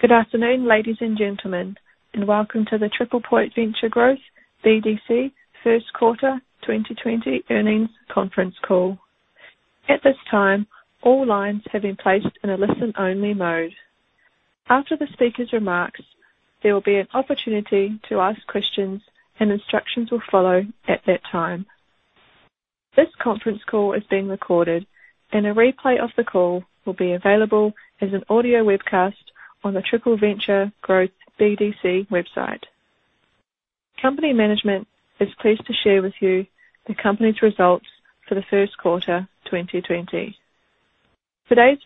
Good afternoon, ladies and gentlemen, and welcome to the TriplePoint Venture Growth BDC First Quarter 2020 Earnings Conference Call. At this time, all lines have been placed in a listen-only mode. After the speaker's remarks, there will be an opportunity to ask questions, and instructions will follow at that time. This conference call is being recorded, and a replay of the call will be available as an audio webcast on the TriplePoint Venture Growth BDC website. Company management is pleased to share with you the company's results for the first quarter 2020. Today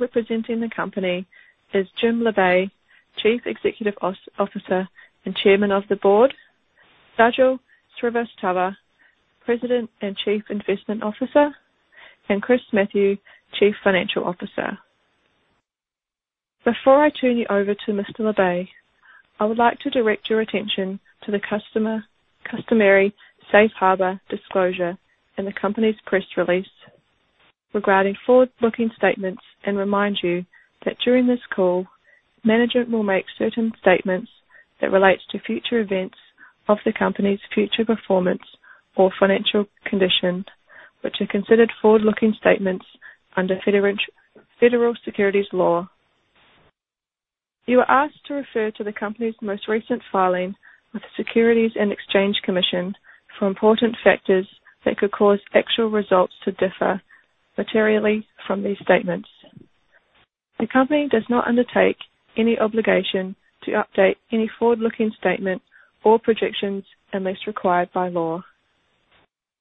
representing the company is Jim Labe, Chief Executive Officer and Chairman of the Board, Sajal Srivastava, President and Chief Investment Officer, and Chris Mathieu, Chief Financial Officer. Before I turn you over to Mr. Labe, I would like to direct your attention to the customary safe harbor disclosure in the company's press release regarding forward-looking statements and remind you that during this call, management will make certain statements that relates to future events of the company's future performance or financial conditions, which are considered forward-looking statements under federal securities law. You are asked to refer to the company's most recent filing with the Securities and Exchange Commission for important factors that could cause actual results to differ materially from these statements. The company does not undertake any obligation to update any forward-looking statement or projections unless required by law.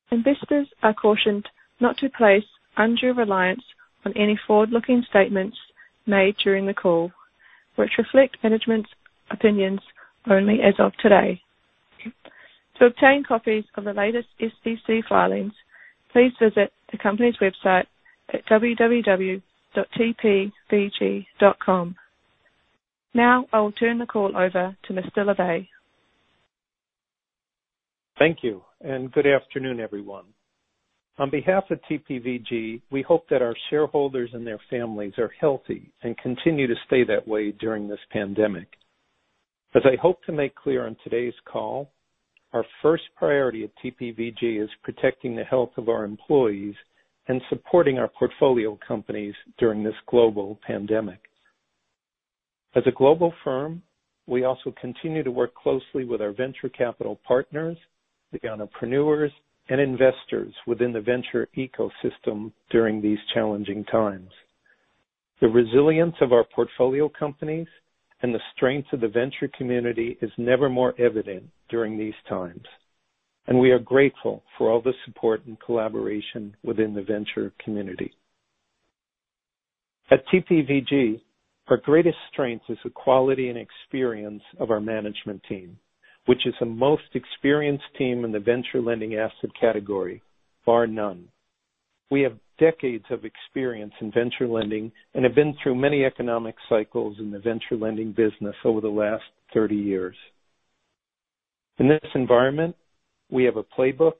Investors are cautioned not to place undue reliance on any forward-looking statements made during the call, which reflect management's opinions only as of today. To obtain copies of the latest SEC filings, please visit the company's website at www.tpvg.com. Now I will turn the call over to Mr. Labe. Thank you, good afternoon, everyone. On behalf of TPVG, we hope that our shareholders and their families are healthy and continue to stay that way during this pandemic. As I hope to make clear on today's call, our first priority at TPVG is protecting the health of our employees and supporting our portfolio companies during this global pandemic. As a global firm, we also continue to work closely with our venture capital partners, the entrepreneurs, and investors within the venture ecosystem during these challenging times. The resilience of our portfolio companies and the strength of the venture community is never more evident during these times, and we are grateful for all the support and collaboration within the venture community. At TPVG, our greatest strength is the quality and experience of our management team, which is the most experienced team in the venture lending asset category, bar none. We have decades of experience in venture lending and have been through many economic cycles in the venture lending business over the last 30 years. In this environment, we have a playbook.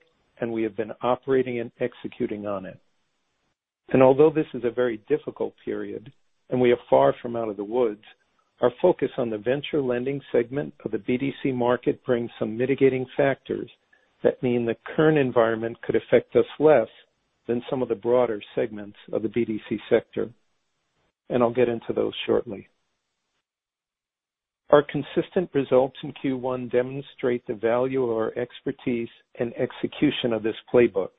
We have been operating and executing on it. Although this is a very difficult period and we are far from out of the woods, our focus on the venture lending segment of the BDC market brings some mitigating factors that mean the current environment could affect us less than some of the broader segments of the BDC sector, and I'll get into those shortly. Our consistent results in Q1 demonstrate the value of our expertise and execution of this playbook.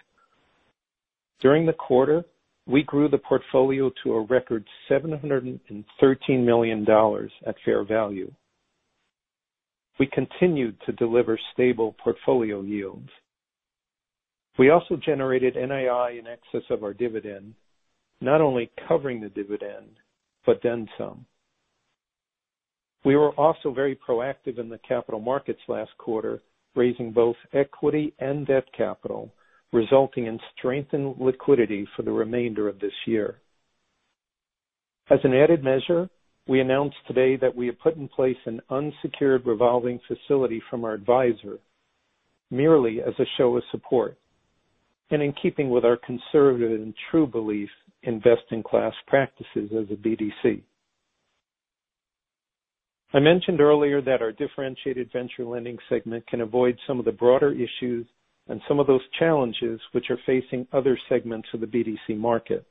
During the quarter, we grew the portfolio to a record $713 million at fair value. We continued to deliver stable portfolio yields. We also generated NII in excess of our dividend, not only covering the dividend, but then some. We were also very proactive in the capital markets last quarter, raising both equity and debt capital, resulting in strengthened liquidity for the remainder of this year. As an added measure, we announced today that we have put in place an unsecured revolving facility from our advisor merely as a show of support and in keeping with our conservative and true belief investing class practices as a BDC. I mentioned earlier that our differentiated venture lending segment can avoid some of the broader issues and some of those challenges which are facing other segments of the BDC market.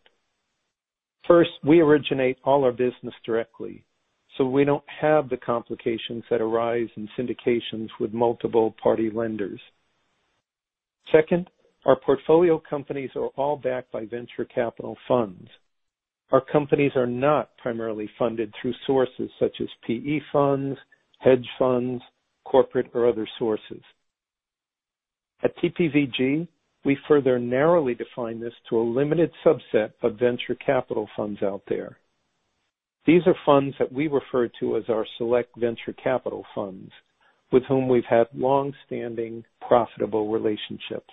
First, we originate all our business directly, so we don't have the complications that arise in syndications with multiple party lenders. Second, our portfolio companies are all backed by venture capital funds. Our companies are not primarily funded through sources such as PE funds, hedge funds, corporate or other sources. At TPVG, we further narrowly define this to a limited subset of venture capital funds out there. These are funds that we refer to as our select venture capital funds with whom we've had longstanding profitable relationships.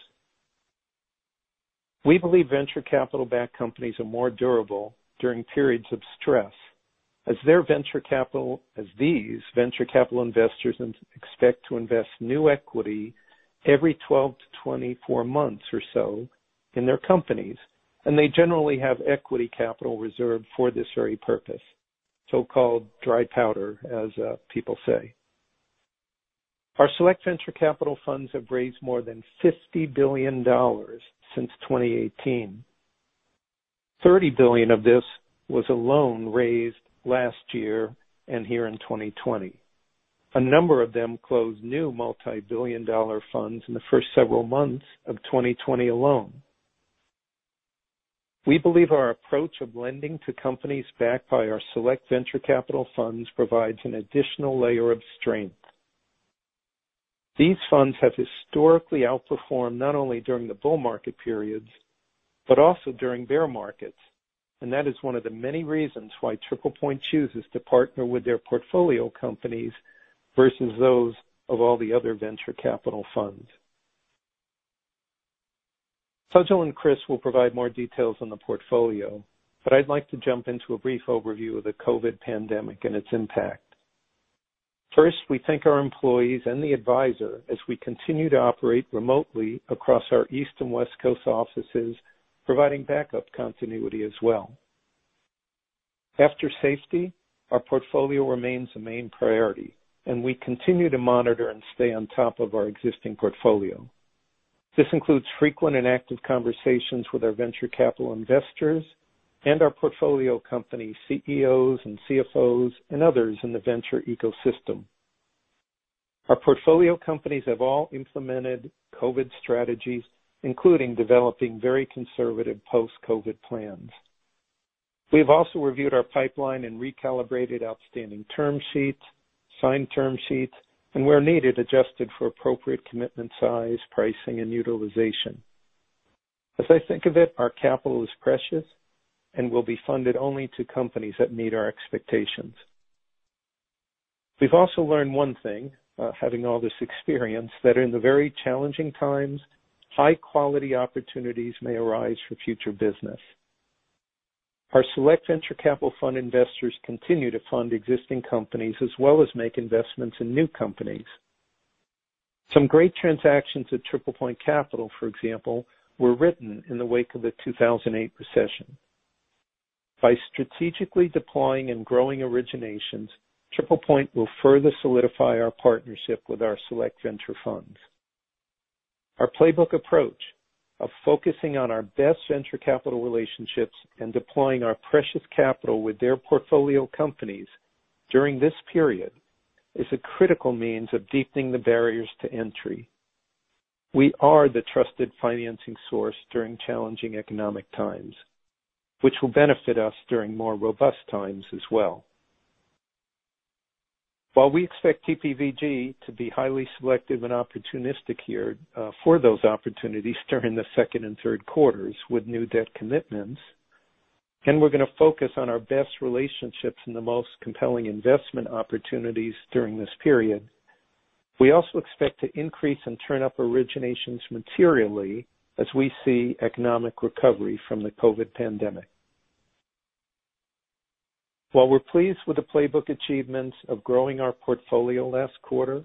We believe venture capital-backed companies are more durable during periods of stress as these venture capital investors expect to invest new equity every 12-24 months or so in their companies, and they generally have equity capital reserved for this very purpose, so-called dry powder, as people say. Our select venture capital funds have raised more than $50 billion since 2018. $30 billion of this was a loan raised last year and here in 2020. A number of them closed new multi-billion dollar funds in the first several months of 2020 alone. We believe our approach of lending to companies backed by our select venture capital funds provides an additional layer of strength. These funds have historically outperformed not only during the bull market period but also during the bear market. That is one of the many reasons why TriplePoint chooses to partner with their portfolio companies versus those of all the other venture capital funds. Sajal and Chris will provide more details on the portfolio, I'd like to jump into a brief overview of the COVID pandemic and its impact. First, we thank our employees and the advisor as we continue to operate remotely across our East and West Coast offices, providing backup continuity as well. After safety, our portfolio remains the main priority. We continue to monitor and stay on top of our existing portfolio. This includes frequent and active conversations with our venture capital investors and our portfolio company CEOs and CFOs, and others in the venture ecosystem. Our portfolio companies have all implemented COVID strategies, including developing very conservative post-COVID plans. We've also reviewed our pipeline and recalibrated outstanding term sheets, signed term sheets, and where needed, adjusted for appropriate commitment size, pricing, and utilization. As I think of it, our capital is precious and will be funded only to companies that meet our expectations. We've also learned one thing, having all this experience, that in the very challenging times, high-quality opportunities may arise for future business. Our select venture capital fund investors continue to fund existing companies as well as make investments in new companies. Some great transactions at TriplePoint Capital, for example, were written in the wake of the 2008 recession. By strategically deploying and growing originations, TriplePoint will further solidify our partnership with our select venture funds. Our playbook approach of focusing on our best venture capital relationships and deploying our precious capital with their portfolio companies during this period is a critical means of deepening the barriers to entry. We are the trusted financing source during challenging economic times, which will benefit us during more robust times as well. While we expect TPVG to be highly selective and opportunistic here for those opportunities during the second and third quarters with new debt commitments, we're going to focus on our best relationships and the most compelling investment opportunities during this period. We also expect to increase and turn up originations materially as we see economic recovery from the COVID pandemic. While we're pleased with the playbook achievements of growing our portfolio last quarter,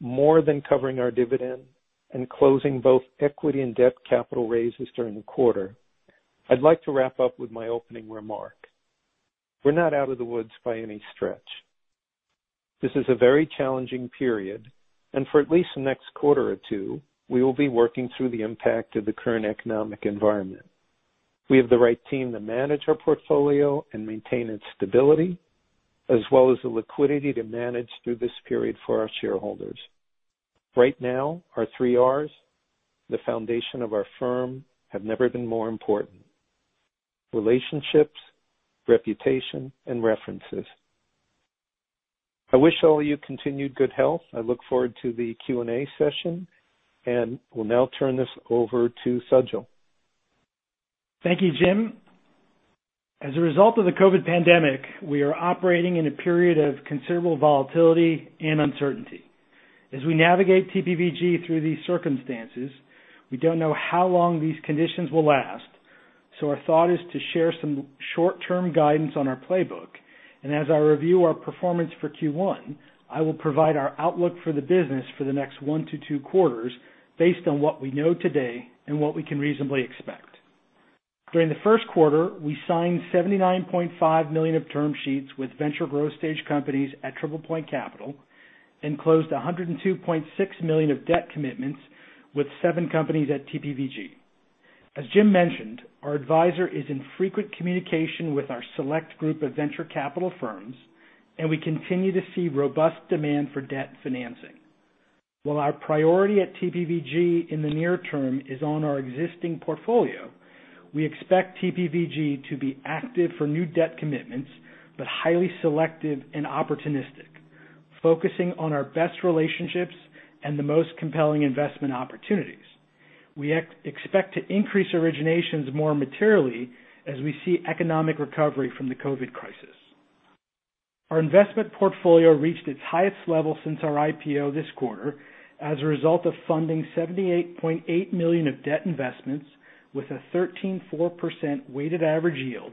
more than covering our dividend, and closing both equity and debt capital raises during the quarter, I'd like to wrap up with my opening remark. We're not out of the woods by any stretch. This is a very challenging period. For at least the next quarter or two, we will be working through the impact of the current economic environment. We have the right team to manage our portfolio and maintain its stability, as well as the liquidity to manage through this period for our shareholders. Right now, our three Rs, the foundation of our firm, have never been more important. Relationships, reputation, and references. I wish all you continued good health. I look forward to the Q&A session. I will now turn this over to Sajal. Thank you, Jim. As a result of the COVID pandemic, we are operating in a period of considerable volatility and uncertainty. As we navigate TPVG through these circumstances, we don't know how long these conditions will last. Our thought is to share some short-term guidance on our playbook. As I review our performance for Q1, I will provide our outlook for the business for the next one to two quarters based on what we know today and what we can reasonably expect. During the first quarter, we signed $79.5 million of term sheets with venture growth stage companies at TriplePoint Capital. Closed $102.6 million of debt commitments with seven companies at TPVG. As Jim mentioned, our advisor is in frequent communication with our select group of venture capital firms. We continue to see robust demand for debt financing. While our priority at TPVG in the near term is on our existing portfolio, we expect TPVG to be active for new debt commitments, but highly selective and opportunistic, focusing on our best relationships and the most compelling investment opportunities. We expect to increase originations more materially as we see economic recovery from the COVID crisis. Our investment portfolio reached its highest level since our IPO this quarter as a result of funding $78.8 million of debt investments with a 13.4% weighted average yield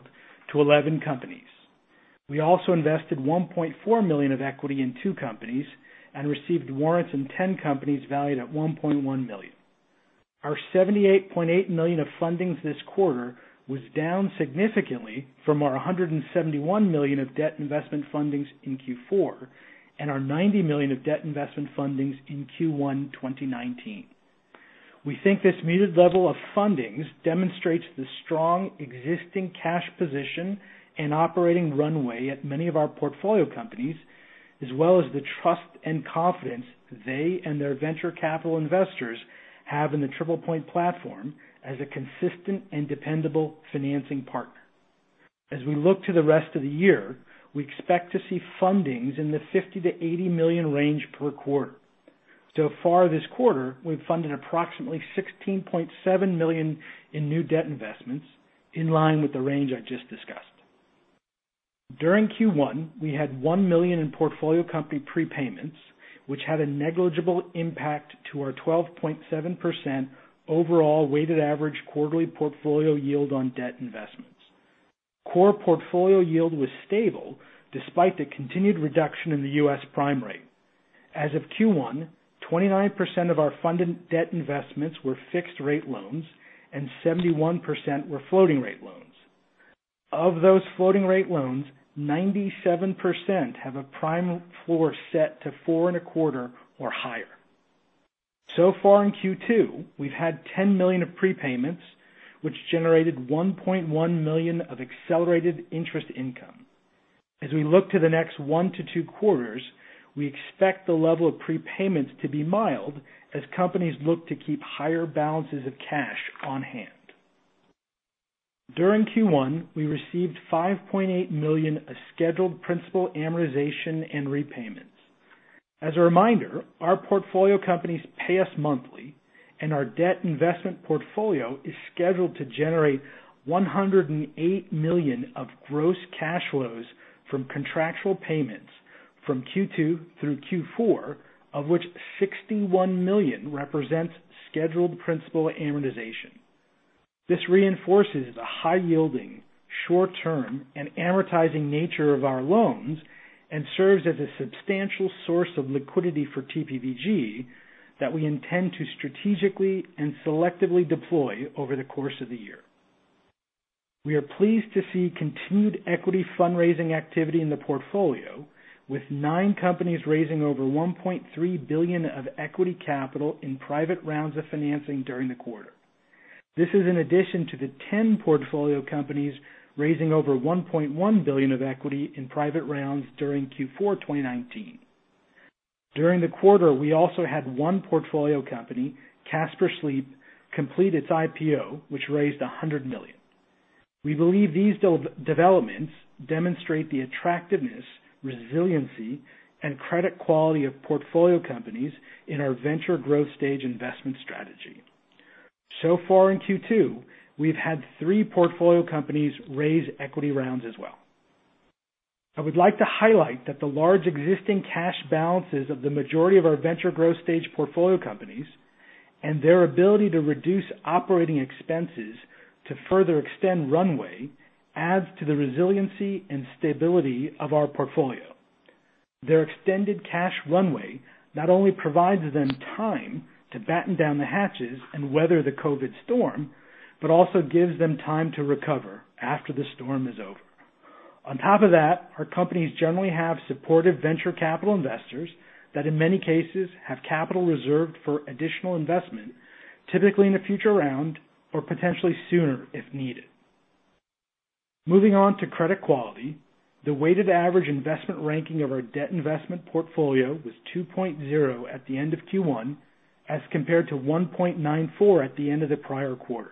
to 11 companies. We also invested $1.4 million of equity in two companies and received warrants in 10 companies valued at $1.1 million. Our $78.8 million of fundings this quarter was down significantly from our $171 million of debt investment fundings in Q4, and our $90 million of debt investment fundings in Q1 2019. We think this muted level of fundings demonstrates the strong existing cash position and operating runway at many of our portfolio companies, as well as the trust and confidence they and their venture capital investors have in the TriplePoint platform as a consistent and dependable financing partner. As we look to the rest of the year, we expect to see fundings in the $50 million-$80 million range per quarter. Far this quarter, we've funded approximately $16.7 million in new debt investments, in line with the range I just discussed. During Q1, we had $1 million in portfolio company prepayments, which had a negligible impact to our 12.7% overall weighted average quarterly portfolio yield on debt investments. Core portfolio yield was stable despite the continued reduction in the U.S. prime rate. As of Q1, 29% of our funded debt investments were fixed-rate loans and 71% were floating rate loans. Of those floating rate loans, 97% have a prime floor set to 4.25 or higher. Far in Q2, we've had $10 million of prepayments, which generated $1.1 million of accelerated interest income. As we look to the next one to two quarters, we expect the level of prepayments to be mild as companies look to keep higher balances of cash on hand. During Q1, we received $5.8 million of scheduled principal amortization and repayments. As a reminder, our portfolio companies pay us monthly, and our debt investment portfolio is scheduled to generate $108 million of gross cash flows from contractual payments from Q2 through Q4, of which $61 million represents scheduled principal amortization. This reinforces the high-yielding, short-term, and amortizing nature of our loans and serves as a substantial source of liquidity for TPVG that we intend to strategically and selectively deploy over the course of the year. We are pleased to see continued equity fundraising activity in the portfolio, with nine companies raising over $1.3 billion of equity capital in private rounds of financing during the quarter. This is in addition to the 10 portfolio companies raising over $1.1 billion of equity in private rounds during Q4 2019. During the quarter, we also had one portfolio company, Casper Sleep, complete its IPO, which raised $100 million. We believe these developments demonstrate the attractiveness, resiliency, and credit quality of portfolio companies in our venture growth stage investment strategy. Far in Q2, we've had three portfolio companies raise equity rounds as well. I would like to highlight that the large existing cash balances of the majority of our venture growth stage portfolio companies and their ability to reduce operating expenses to further extend runway adds to the resiliency and stability of our portfolio. Their extended cash runway not only provides them time to batten down the hatches and weather the COVID storm, but also gives them time to recover after the storm is over. On top of that, our companies generally have supportive venture capital investors that, in many cases, have capital reserved for additional investment, typically in a future round or potentially sooner if needed. Moving on to credit quality. The weighted average investment ranking of our debt investment portfolio was 2.0 at the end of Q1, as compared to 1.94 at the end of the prior quarter.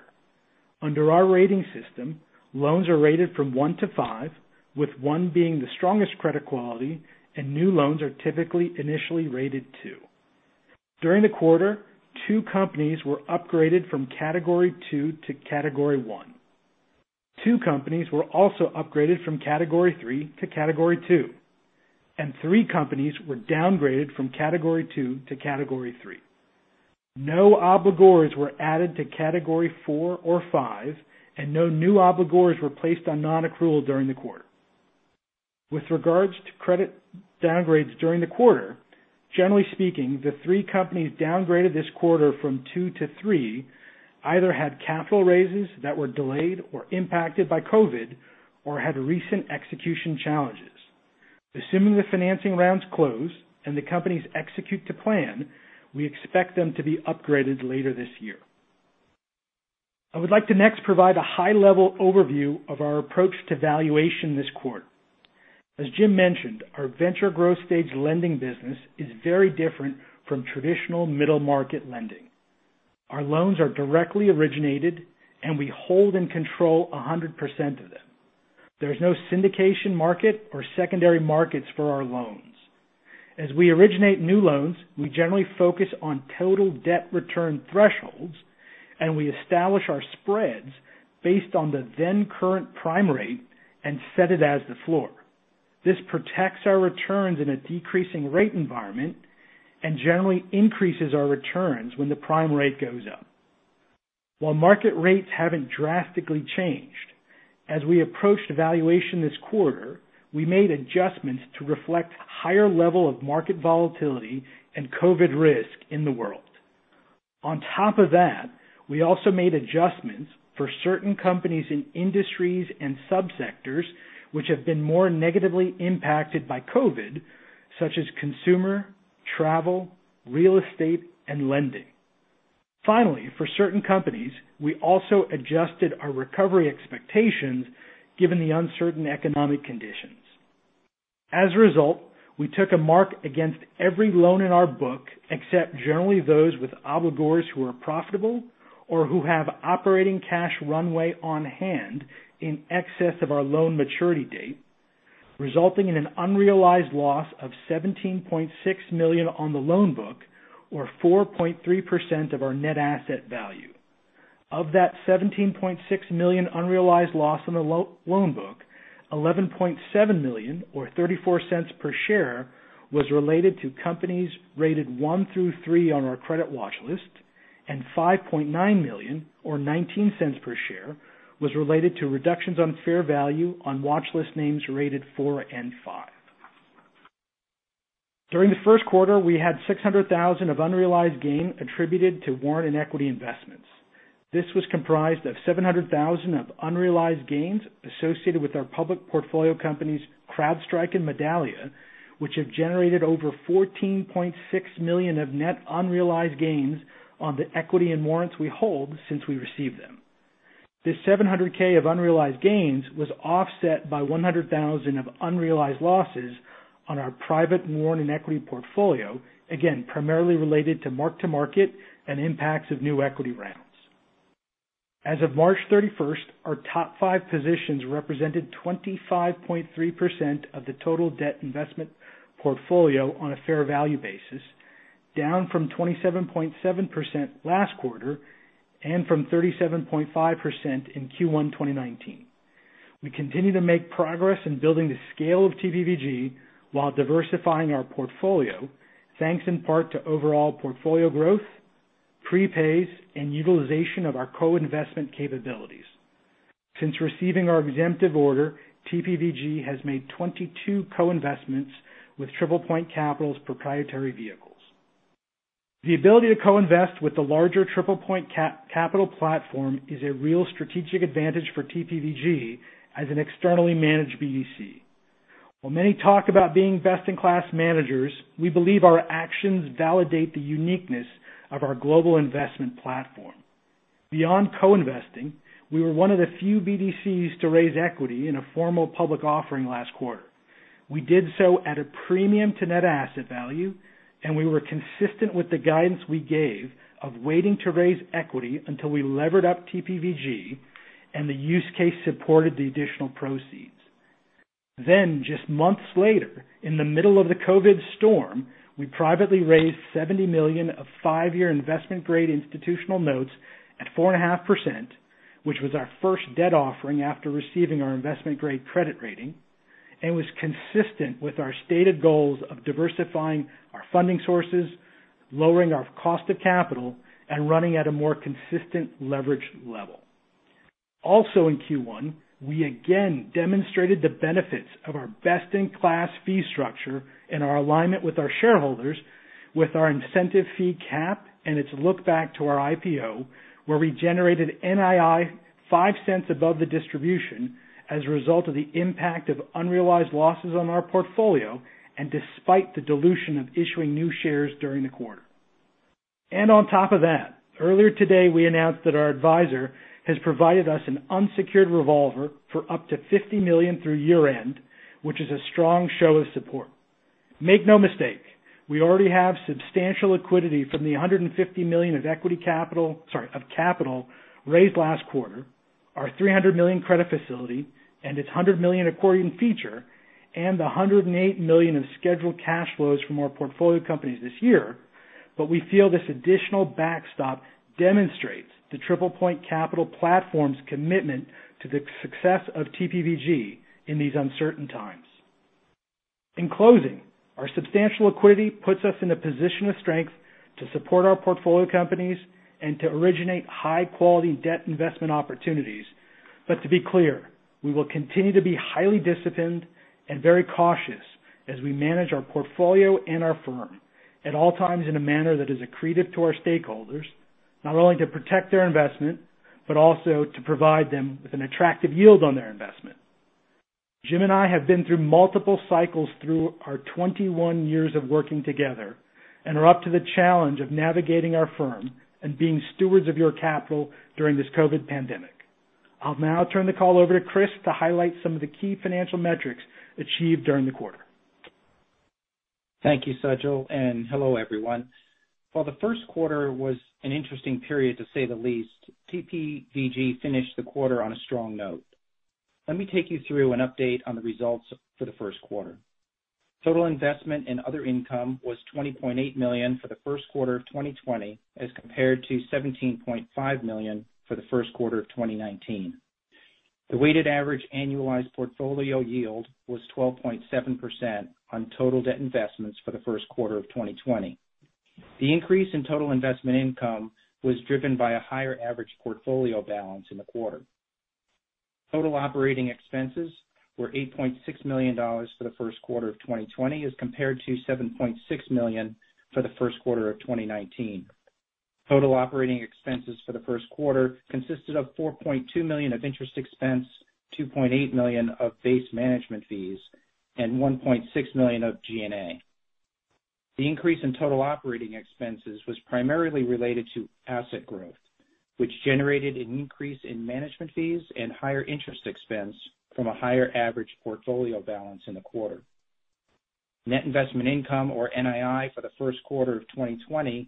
Under our rating system, loans are rated from one to five, with one being the strongest credit quality, and new loans are typically initially rated two. During the quarter, two companies were upgraded from Category 2 to Category 1. Two companies were also upgraded from Category 3 to Category 2, and three companies were downgraded from Category 2 to Category 3. No obligors were added to Category 4 or 5, and no new obligors were placed on non-accrual during the quarter. With regards to credit downgrades during the quarter, generally speaking, the three companies downgraded this quarter from two to three either had capital raises that were delayed or impacted by COVID or had recent execution challenges. Assuming the financing rounds close and the companies execute to plan, we expect them to be upgraded later this year. I would like to next provide a high-level overview of our approach to valuation this quarter. As Jim mentioned, our venture growth stage lending business is very different from traditional middle market lending. Our loans are directly originated, and we hold and control 100% of them. There is no syndication market or secondary markets for our loans. As we originate new loans, we generally focus on total debt return thresholds, and we establish our spreads based on the then current prime rate and set it as the floor. This protects our returns in a decreasing rate environment and generally increases our returns when the prime rate goes up. While market rates haven't drastically changed, as we approached valuation this quarter, we made adjustments to reflect higher level of market volatility and COVID risk in the world. On top of that, we also made adjustments for certain companies in industries and sub-sectors which have been more negatively impacted by COVID, such as consumer, travel, real estate, and lending. Finally, for certain companies, we also adjusted our recovery expectations given the uncertain economic conditions. As a result, we took a mark against every loan in our book, except generally those with obligors who are profitable or who have operating cash runway on hand in excess of our loan maturity date, resulting in an unrealized loss of $17.6 million on the loan book, or 4.3% of our net asset value. Of that $17.6 million unrealized loss on the loan book, $11.7 million or $0.34 per share, was related to companies rated one through three on our credit watch list, and $5.9 million or $0.19 per share, was related to reductions on fair value on watchlist names rated four and five. During the first quarter, we had $600,000 of unrealized gain attributed to warrant and equity investments. This was comprised of $700,000 of unrealized gains associated with our public portfolio companies, CrowdStrike and Medallia, which have generated over $14.6 million of net unrealized gains on the equity and warrants we hold since we received them. This $700K of unrealized gains was offset by $100,000 of unrealized losses on our private warrant and equity portfolio, again, primarily related to mark-to-market and impacts of new equity rounds. As of March 31st, our top five positions represented 25.3% of the total debt investment portfolio on a fair value basis, down from 27.7% last quarter and from 37.5% in Q1 2019. We continue to make progress in building the scale of TPVG while diversifying our portfolio, thanks in part to overall portfolio growth, prepays, and utilization of our co-investment capabilities. Since receiving our exemptive order, TPVG has made 22 co-investments with TriplePoint Capital's proprietary vehicles. The ability to co-invest with the larger TriplePoint Capital platform is a real strategic advantage for TPVG as an externally managed BDC. While many talk about being best-in-class managers, we believe our actions validate the uniqueness of our global investment platform. Beyond co-investing, we were one of the few BDCs to raise equity in a formal public offering last quarter. We did so at a premium to net asset value, and we were consistent with the guidance we gave of waiting to raise equity until we levered up TPVG and the use case supported the additional proceeds. Just months later, in the middle of the COVID storm, we privately raised $70 million of five-year investment-grade institutional notes at 4.5%, which was our first debt offering after receiving our investment-grade credit rating, and was consistent with our stated goals of diversifying our funding sources, lowering our cost of capital, and running at a more consistent leverage level. In Q1, we again demonstrated the benefits of our best-in-class fee structure and our alignment with our shareholders with our incentive fee cap and its lookback to our IPO, where we generated NII $0.05 above the distribution as a result of the impact of unrealized losses on our portfolio, and despite the dilution of issuing new shares during the quarter. On top of that, earlier today, we announced that our advisor has provided us an unsecured revolver for up to $50 million through year-end, which is a strong show of support. Make no mistake, we already have substantial liquidity from the $150 million of capital raised last quarter, our $300 million credit facility and its $100 million accordion feature, and the $108 million of scheduled cash flows from our portfolio companies this year. We feel this additional backstop demonstrates the TriplePoint Capital platform's commitment to the success of TPVG in these uncertain times. In closing, our substantial liquidity puts us in a position of strength to support our portfolio companies and to originate high-quality debt investment opportunities. To be clear, we will continue to be highly disciplined and very cautious as we manage our portfolio and our firm at all times in a manner that is accretive to our stakeholders, not only to protect their investment, but also to provide them with an attractive yield on their investment. Jim and I have been through multiple cycles through our 21 years of working together and are up to the challenge of navigating our firm and being stewards of your capital during this COVID pandemic. I'll now turn the call over to Chris to highlight some of the key financial metrics achieved during the quarter. Thank you, Sajal, and hello, everyone. While the first quarter was an interesting period, to say the least, TPVG finished the quarter on a strong note. Let me take you through an update on the results for the first quarter. Total investment and other income was $20.8 million for the first quarter of 2020 as compared to $17.5 million for the first quarter of 2019. The weighted average annualized portfolio yield was 12.7% on total debt investments for the first quarter of 2020. The increase in total investment income was driven by a higher average portfolio balance in the quarter. Total operating expenses were $8.6 million for the first quarter of 2020 as compared to $7.6 million for the first quarter of 2019. Total operating expenses for the first quarter consisted of $4.2 million of interest expense, $2.8 million of base management fees, and $1.6 million of G&A. The increase in total operating expenses was primarily related to asset growth, which generated an increase in management fees and higher interest expense from a higher average portfolio balance in the quarter. Net investment income, or NII, for the first quarter of 2020 was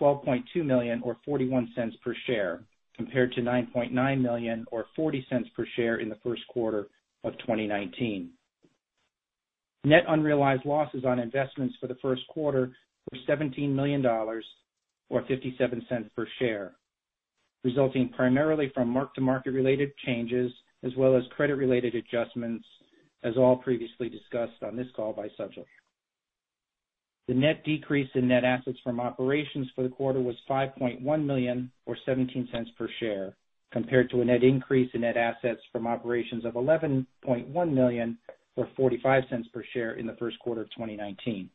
$12.2 million or $0.41 per share, compared to $9.9 million or $0.40 per share in the first quarter of 2019. Net unrealized losses on investments for the first quarter were $17 million, or $0.57 per share, resulting primarily from mark-to-market related changes as well as credit-related adjustments, as all previously discussed on this call by Sajal. The net decrease in net assets from operations for the quarter was $5.1 million or $0.17 per share, compared to a net increase in net assets from operations of $11.1 million or $0.45 per share in the first quarter of 2019.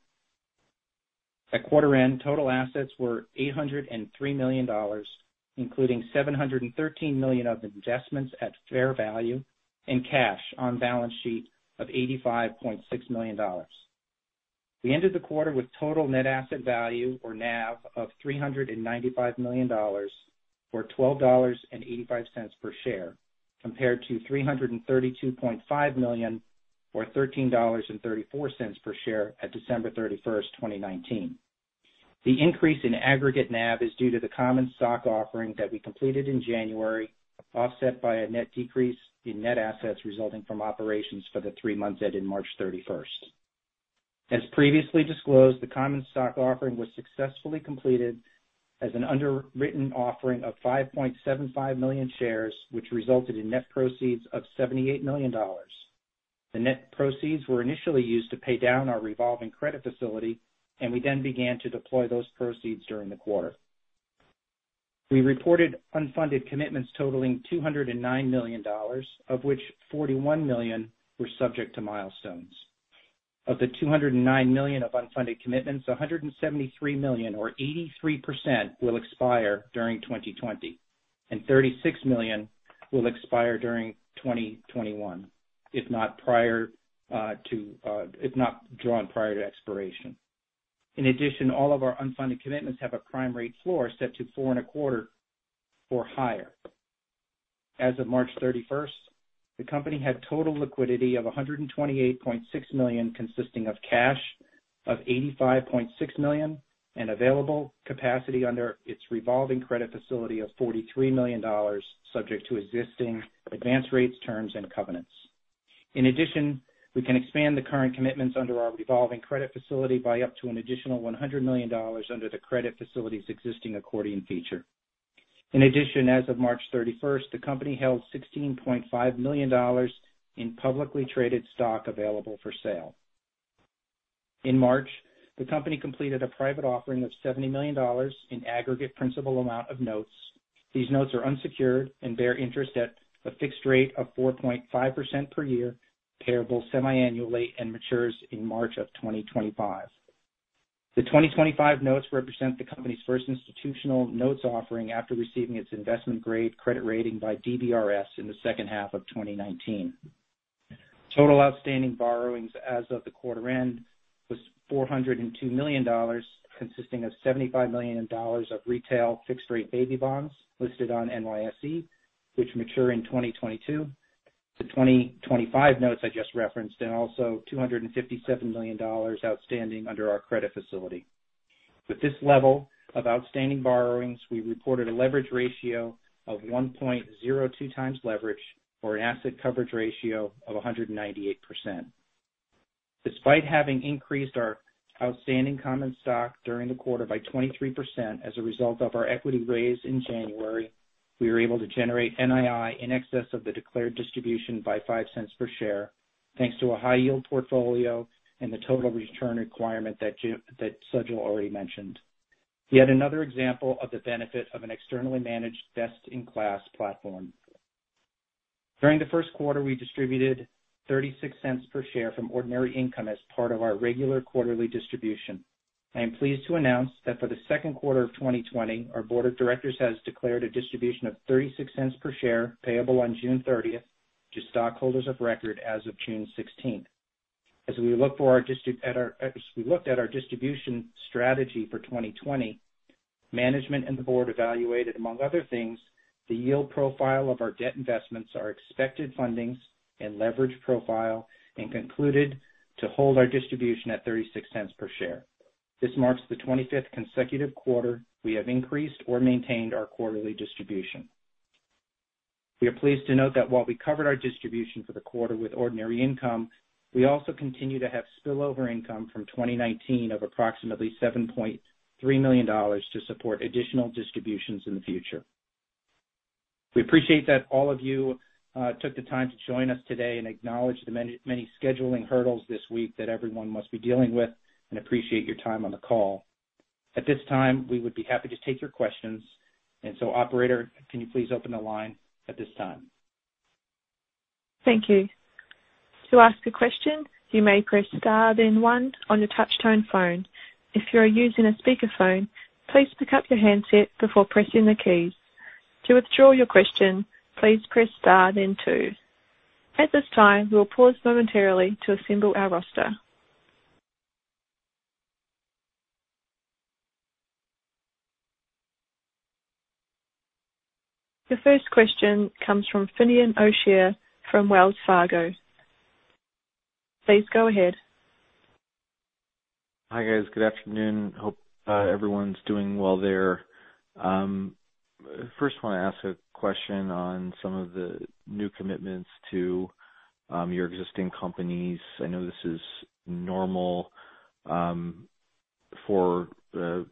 At quarter end, total assets were $803 million, including $713 million of investments at fair value and cash on balance sheet of $85.6 million. We ended the quarter with total net asset value, or NAV, of $395 million, or $12.85 per share, compared to $332.5 million or $13.34 per share at December 31st, 2019. The increase in aggregate NAV is due to the common stock offering that we completed in January, offset by a net decrease in net assets resulting from operations for the three months ended March 31st. As previously disclosed, the common stock offering was successfully completed as an underwritten offering of 5.75 million shares, which resulted in net proceeds of $78 million. The net proceeds were initially used to pay down our revolving credit facility, and we then began to deploy those proceeds during the quarter. We reported unfunded commitments totaling $209 million, of which $41 million were subject to milestones. Of the $209 million of unfunded commitments, $173 million or 83% will expire during 2020, and $36 million will expire during 2021, if not drawn prior to expiration. All of our unfunded commitments have a prime rate floor set to four and a quarter or higher. As of March 31st, the company had total liquidity of $128.6 million, consisting of cash of $85.6 million and available capacity under its revolving credit facility of $43 million, subject to existing advance rates, terms, and covenants. We can expand the current commitments under our revolving credit facility by up to an additional $100 million under the credit facility's existing accordion feature. As of March 31st, the company held $16.5 million in publicly traded stock available for sale. In March, the company completed a private offering of $70 million in aggregate principal amount of notes. These notes are unsecured and bear interest at a fixed rate of 4.5% per year, payable semiannually and matures in March of 2025. The 2025 notes represent the company's first institutional notes offering after receiving its investment grade credit rating by DBRS in the second half of 2019. Total outstanding borrowings as of the quarter end was $402 million, consisting of $75 million of retail fixed rate baby bonds listed on NYSE, which mature in 2022-2025 notes I just referenced, and also $257 million outstanding under our credit facility. With this level of outstanding borrowings, we reported a leverage ratio of 1.02 times leverage or an asset coverage ratio of 198%. Despite having increased our outstanding common stock during the quarter by 23% as a result of our equity raise in January, we were able to generate NII in excess of the declared distribution by $0.05 per share, thanks to a high yield portfolio and the total return requirement that Sajal already mentioned. Yet another example of the benefit of an externally managed best-in-class platform. During the first quarter, we distributed $0.36 per share from ordinary income as part of our regular quarterly distribution. I am pleased to announce that for the second quarter of 2020, our board of directors has declared a distribution of $0.36 per share, payable on June 30th to stockholders of record as of June 16th. As we looked at our distribution strategy for 2020, management and the board evaluated, among other things, the yield profile of our debt investments, our expected fundings and leverage profile, and concluded to hold our distribution at $0.36 per share. This marks the 25th consecutive quarter we have increased or maintained our quarterly distribution. We are pleased to note that while we covered our distribution for the quarter with ordinary income, we also continue to have spillover income from 2019 of approximately $7.3 million to support additional distributions in the future. We appreciate that all of you took the time to join us today and acknowledge the many scheduling hurdles this week that everyone must be dealing with and appreciate your time on the call. At this time, we would be happy to take your questions. Operator, can you please open the line at this time? Thank you. To ask a question, you may press star then one on your touch-tone phone. If you are using a speakerphone, please pick up your handset before pressing the keys. To withdraw your question, please press star then two. At this time, we will pause momentarily to assemble our roster. The first question comes from Finian O'Shea from Wells Fargo. Please go ahead. Hi, guys. Good afternoon. Hope everyone's doing well there. First, I want to ask a question on some of the new commitments to your existing companies. I know this is normal for the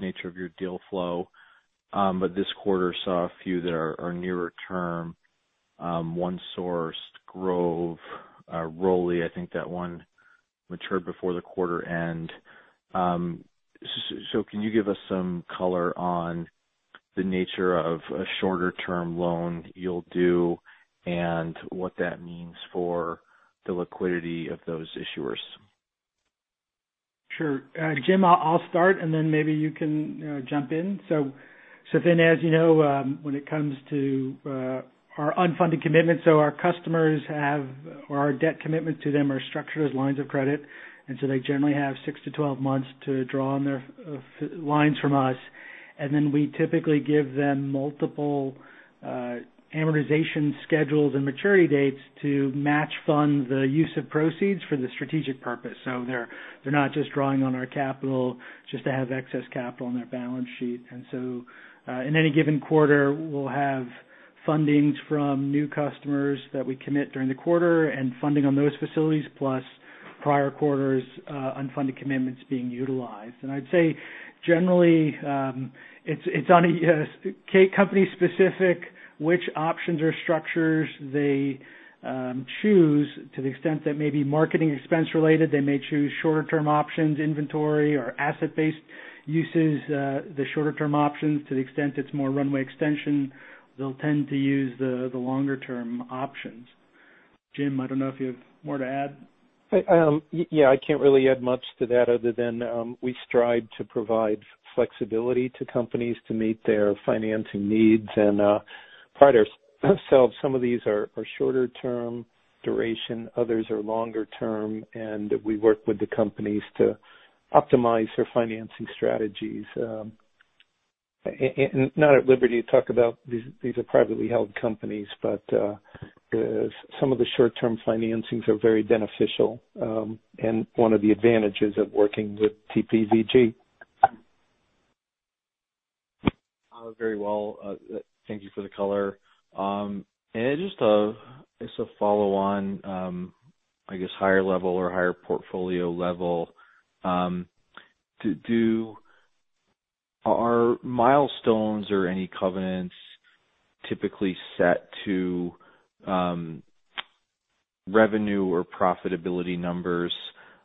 nature of your deal flow. This quarter saw a few that are nearer term. OneSource, Grove, Roli, I think that one matured before the quarter end. Can you give us some color on the nature of a shorter-term loan you'll do and what that means for the liquidity of those issuers? Sure. Jim, I'll start and then maybe you can jump in. Finn, as you know when it comes to our unfunded commitments, so our customers have, or our debt commitment to them are structured as lines of credit. They generally have 6-12 months to draw on their lines from us. We typically give them multiple amortization schedules and maturity dates to match fund the use of proceeds for the strategic purpose. They're not just drawing on our capital just to have excess capital on their balance sheet. In any given quarter, we'll have fundings from new customers that we commit during the quarter and funding on those facilities, plus prior quarters' unfunded commitments being utilized. I'd say generally, it's on a company specific which options or structures they choose to the extent that may be marketing expense related. They may choose shorter term options, inventory or asset-based uses, the shorter term options. To the extent it's more runway extension, they'll tend to use the longer-term options. Jim, I don't know if you have more to add. Yeah, I can't really add much to that other than we strive to provide flexibility to companies to meet their financing needs. Part of ourselves, some of these are shorter term duration, others are longer term, and we work with the companies to optimize their financing strategies. I'm not at liberty to talk about. These are privately held companies. Some of the short-term financings are very beneficial. That is one of the advantages of working with TPVG. Very well. Thank you for the color. Just as a follow on, I guess higher level or higher portfolio level. Are milestones or any covenants typically set to revenue or profitability numbers?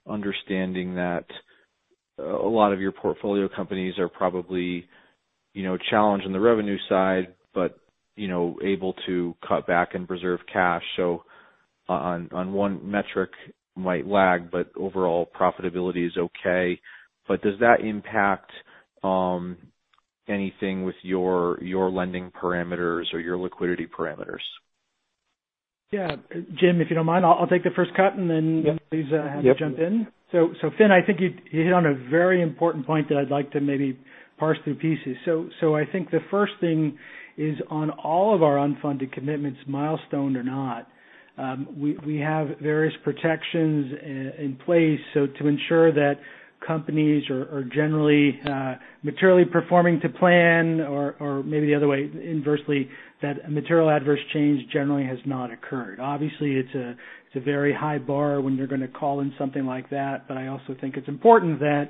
Understanding that a lot of your portfolio companies are probably challenged on the revenue side but able to cut back and preserve cash. On one metric might lag, but overall profitability is okay. Does that impact anything with your lending parameters or your liquidity parameters? Yeah. Jim, if you don't mind, I'll take the first cut and then please. Yep. -have you jump in. Finn, I think you hit on a very important point that I'd like to maybe parse through pieces. I think the first thing is on all of our unfunded commitments, milestone or not, we have various protections in place so to ensure that companies are generally materially performing to plan or maybe the other way inversely, that material adverse change generally has not occurred. Obviously, it's a very high bar when you're going to call in something like that. I also think it's important that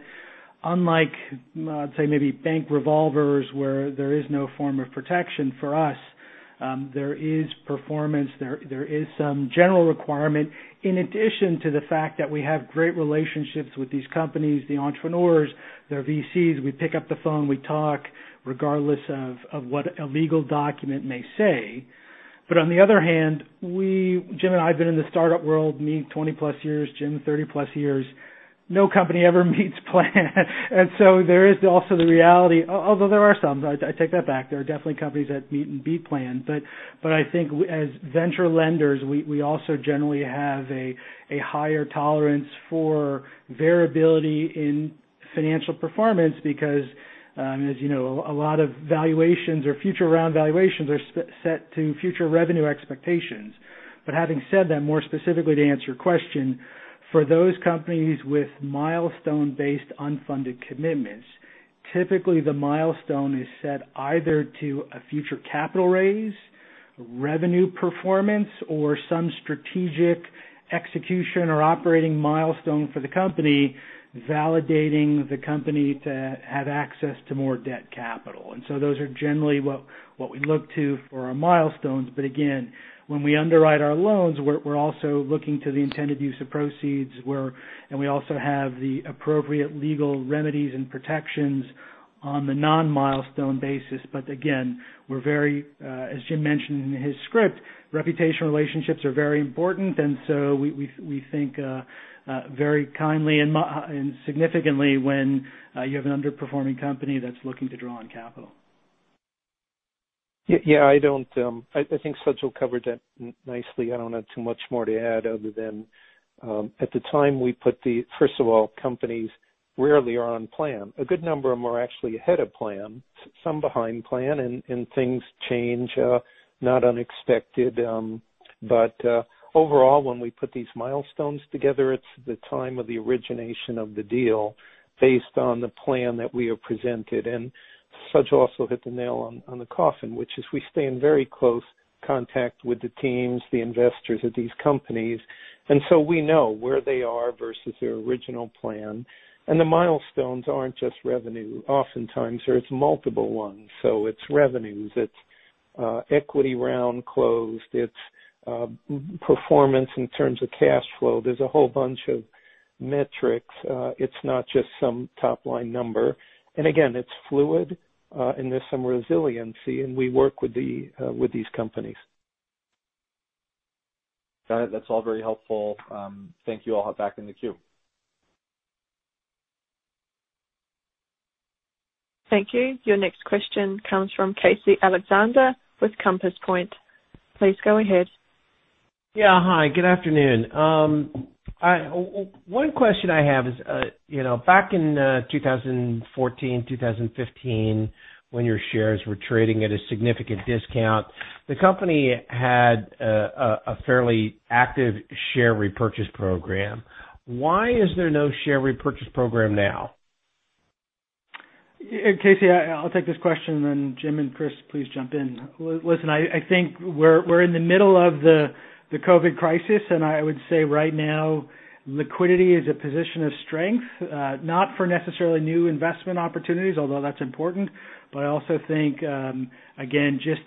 unlike, let's say maybe bank revolvers where there is no form of protection for us, there is performance, there is some general requirement. In addition to the fact that we have great relationships with these companies, the entrepreneurs, their VCs. We pick up the phone, we talk regardless of what a legal document may say. On the other hand, Jim and I have been in the startup world, me, 20+ years, Jim, 30+ years. No company ever meets plan. There is also the reality, although there are some. I take that back. There are definitely companies that meet and beat plan. I think as venture lenders, we also generally have a higher tolerance for variability in financial performance because you know, a lot of valuations or future round valuations are set to future revenue expectations. Having said that, more specifically to answer your question, for those companies with milestone-based unfunded commitments, typically the milestone is set either to a future capital raise, revenue performance or some strategic execution or operating milestone for the company, validating the company to have access to more debt capital. Those are generally what we look to for our milestones. Again, when we underwrite our loans, we're also looking to the intended use of proceeds, and we also have the appropriate legal remedies and protections on the non-milestone basis. Again, as Jim mentioned in his script, reputational relationships are very important, and so we think very kindly and significantly when you have an underperforming company that's looking to draw on capital. Yeah. I think Sajal covered that nicely. I don't have too much more to add other than, at the time, we put. First of all, companies rarely are on plan. A good number of them are actually ahead of plan, some behind plan, things change, not unexpected. Overall, when we put these milestones together, it's the time of the origination of the deal based on the plan that we are presented. Sajal also hit the nail on the head, which is we stay in very close contact with the teams, the investors at these companies, and so we know where they are versus their original plan. The milestones aren't just revenue. Oftentimes, there's multiple ones. It's revenues, it's equity round closed, it's performance in terms of cash flow. There's a whole bunch of metrics. It's not just some top-line number. Again, it's fluid, and there's some resiliency, and we work with these companies. Got it. That's all very helpful. Thank you all. Back in the queue. Thank you. Your next question comes from Casey Alexander with Compass Point. Please go ahead. Yeah. Hi, good afternoon. One question I have is, back in 2014, 2015, when your shares were trading at a significant discount, the company had a fairly active share repurchase program. Why is there no share repurchase program now? Casey, I'll take this question, then Jim and Chris, please jump in. Listen, I think we're in the middle of the COVID crisis, and I would say right now, liquidity is a position of strength. Not for necessarily new investment opportunities, although that's important, but I also think, again, just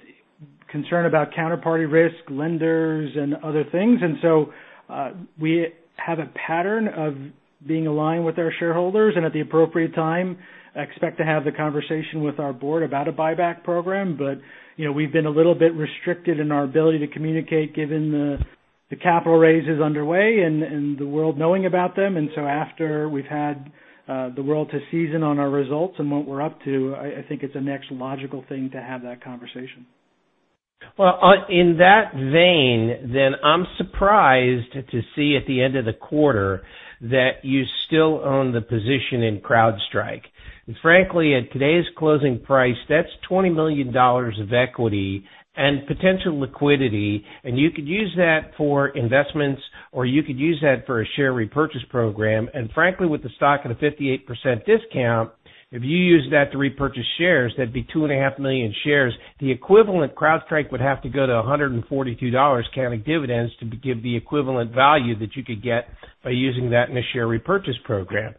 concern about counterparty risk, lenders, and other things. We have a pattern of being aligned with our shareholders and at the appropriate time, expect to have the conversation with our board about a buyback program. We've been a little bit restricted in our ability to communicate, given the capital raise is underway and the world knowing about them. After we've had the world to season on our results and what we're up to, I think it's a next logical thing to have that conversation. In that vein, I'm surprised to see at the end of the quarter that you still own the position in CrowdStrike. Frankly, at today's closing price, that's $20 million of equity and potential liquidity, and you could use that for investments, or you could use that for a share repurchase program. Frankly, with the stock at a 58% discount, if you use that to repurchase shares, that'd be two and half million shares. The equivalent CrowdStrike would have to go to $142 counting dividends to give the equivalent value that you could get by using that in a share repurchase program.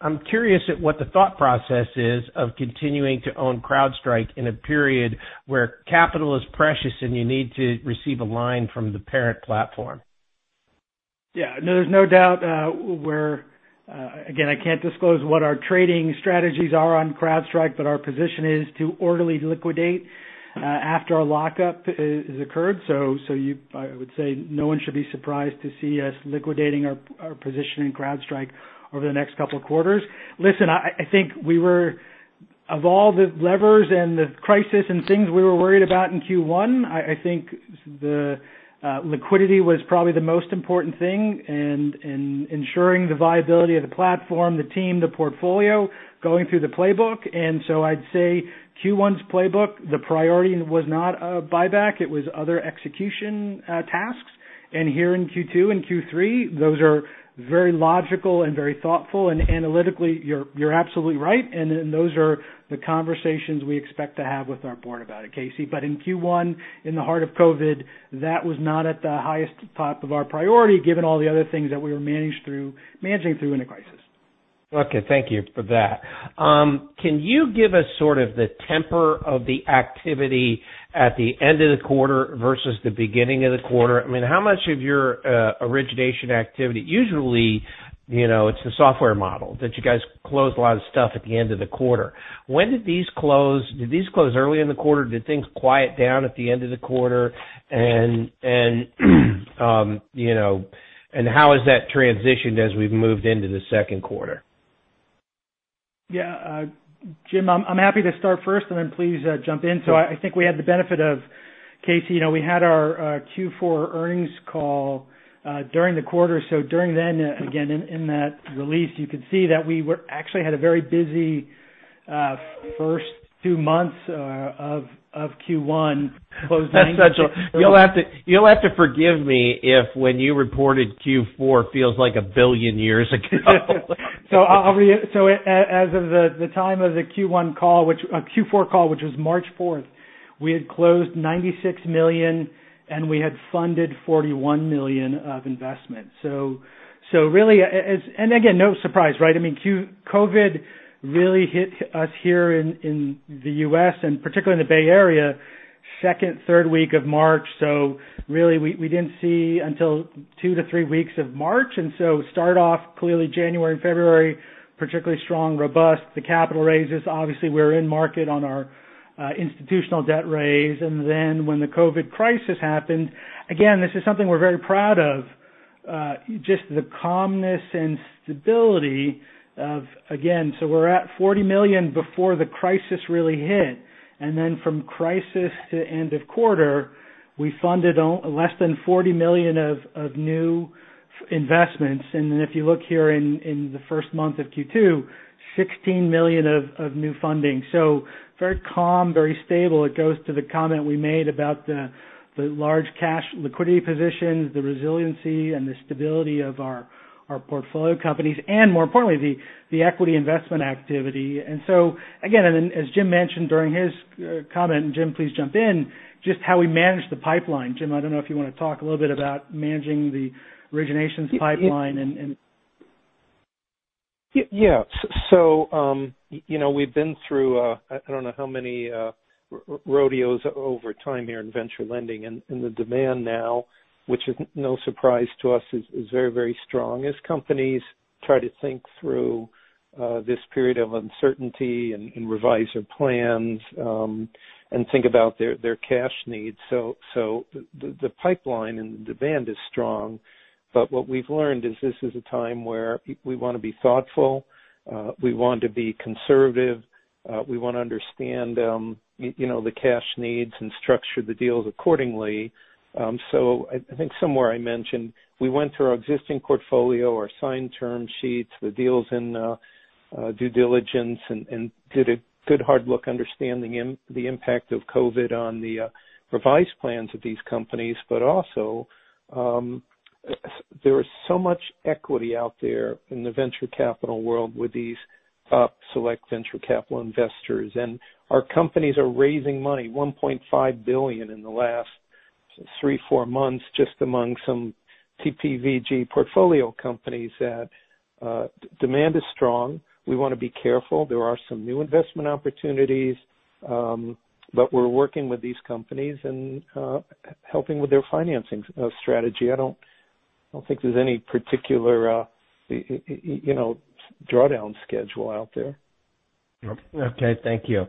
I'm curious at what the thought process is of continuing to own CrowdStrike in a period where capital is precious, and you need to receive a line from the parent platform? No, there's no doubt. Again, I can't disclose what our trading strategies are on CrowdStrike, but our position is to orderly liquidate after our lockup has occurred. I would say no one should be surprised to see us liquidating our position in CrowdStrike over the next couple of quarters. Listen, I think of all the levers and the crisis and things we were worried about in Q1, I think the liquidity was probably the most important thing and ensuring the viability of the platform, the team, the portfolio, going through the playbook. I'd say Q1's playbook, the priority was not a buyback, it was other execution tasks. Here in Q2 and Q3, those are very logical and very thoughtful, and analytically, you're absolutely right, and those are the conversations we expect to have with our board about it, Casey. In Q1, in the heart of COVID, that was not at the highest top of our priority, given all the other things that we were managing through in a crisis. Okay, thank you for that. Can you give us sort of the temper of the activity at the end of the quarter versus the beginning of the quarter? How much of your origination activity? Usually, it's the software model that you guys close a lot of stuff at the end of the quarter. When did these close? Did these close early in the quarter? Did things quiet down at the end of the quarter? How has that transitioned as we've moved into the second quarter? Yeah. Jim, I'm happy to start first, and then please jump in. I think we had the benefit of, Casey, we had our Q4 earnings call during the quarter. During then, again, in that release, you could see that we actually had a very busy first two months of Q1, closed 2019. Sajal, you'll have to forgive me if when you reported Q4 feels like a billion years ago. As of the time of the Q4 call, which was March 4th. We had closed $96 million, we had funded $41 million of investment. Really, again, no surprise, right? COVID really hit us here in the U.S. and particularly in the Bay Area, second, third week of March. Really, we didn't see until two to three weeks of March. Start off clearly January and February, particularly strong, robust. The capital raises, obviously, we're in market on our institutional debt raise. When the COVID crisis happened, again, this is something we're very proud of, just the calmness and stability of. Again, we're at $40 million before the crisis really hit. From crisis to end of quarter, we funded less than $40 million of new investments. If you look here in the first month of Q2, $16 million of new funding. Very calm, very stable. It goes to the comment we made about the large cash liquidity positions, the resiliency and the stability of our portfolio companies, and more importantly, the equity investment activity. Again, as Jim mentioned during his comment, Jim, please jump in, just how we manage the pipeline. Jim, I don't know if you want to talk a little bit about managing the originations pipeline. Yeah. We've been through, I don't know how many rodeos over time here in venture lending, and the demand now, which is no surprise to us, is very strong as companies try to think through this period of uncertainty and revise their plans, and think about their cash needs. The pipeline and the demand is strong. What we've learned is this is a time where we want to be thoughtful, we want to be conservative, we want to understand the cash needs and structure the deals accordingly. I think somewhere I mentioned, we went through our existing portfolio, our signed term sheets, the deals in due diligence and did a good hard look understanding the impact of COVID on the revised plans of these companies. Also, there is so much equity out there in the venture capital world with these top select venture capital investors. Our companies are raising money, $1.5 billion in the last three, four months, just among some TPVG portfolio companies that demand is strong. We want to be careful. There are some new investment opportunities, but we're working with these companies and helping with their financing strategy. I don't think there's any particular drawdown schedule out there. Okay. Thank you.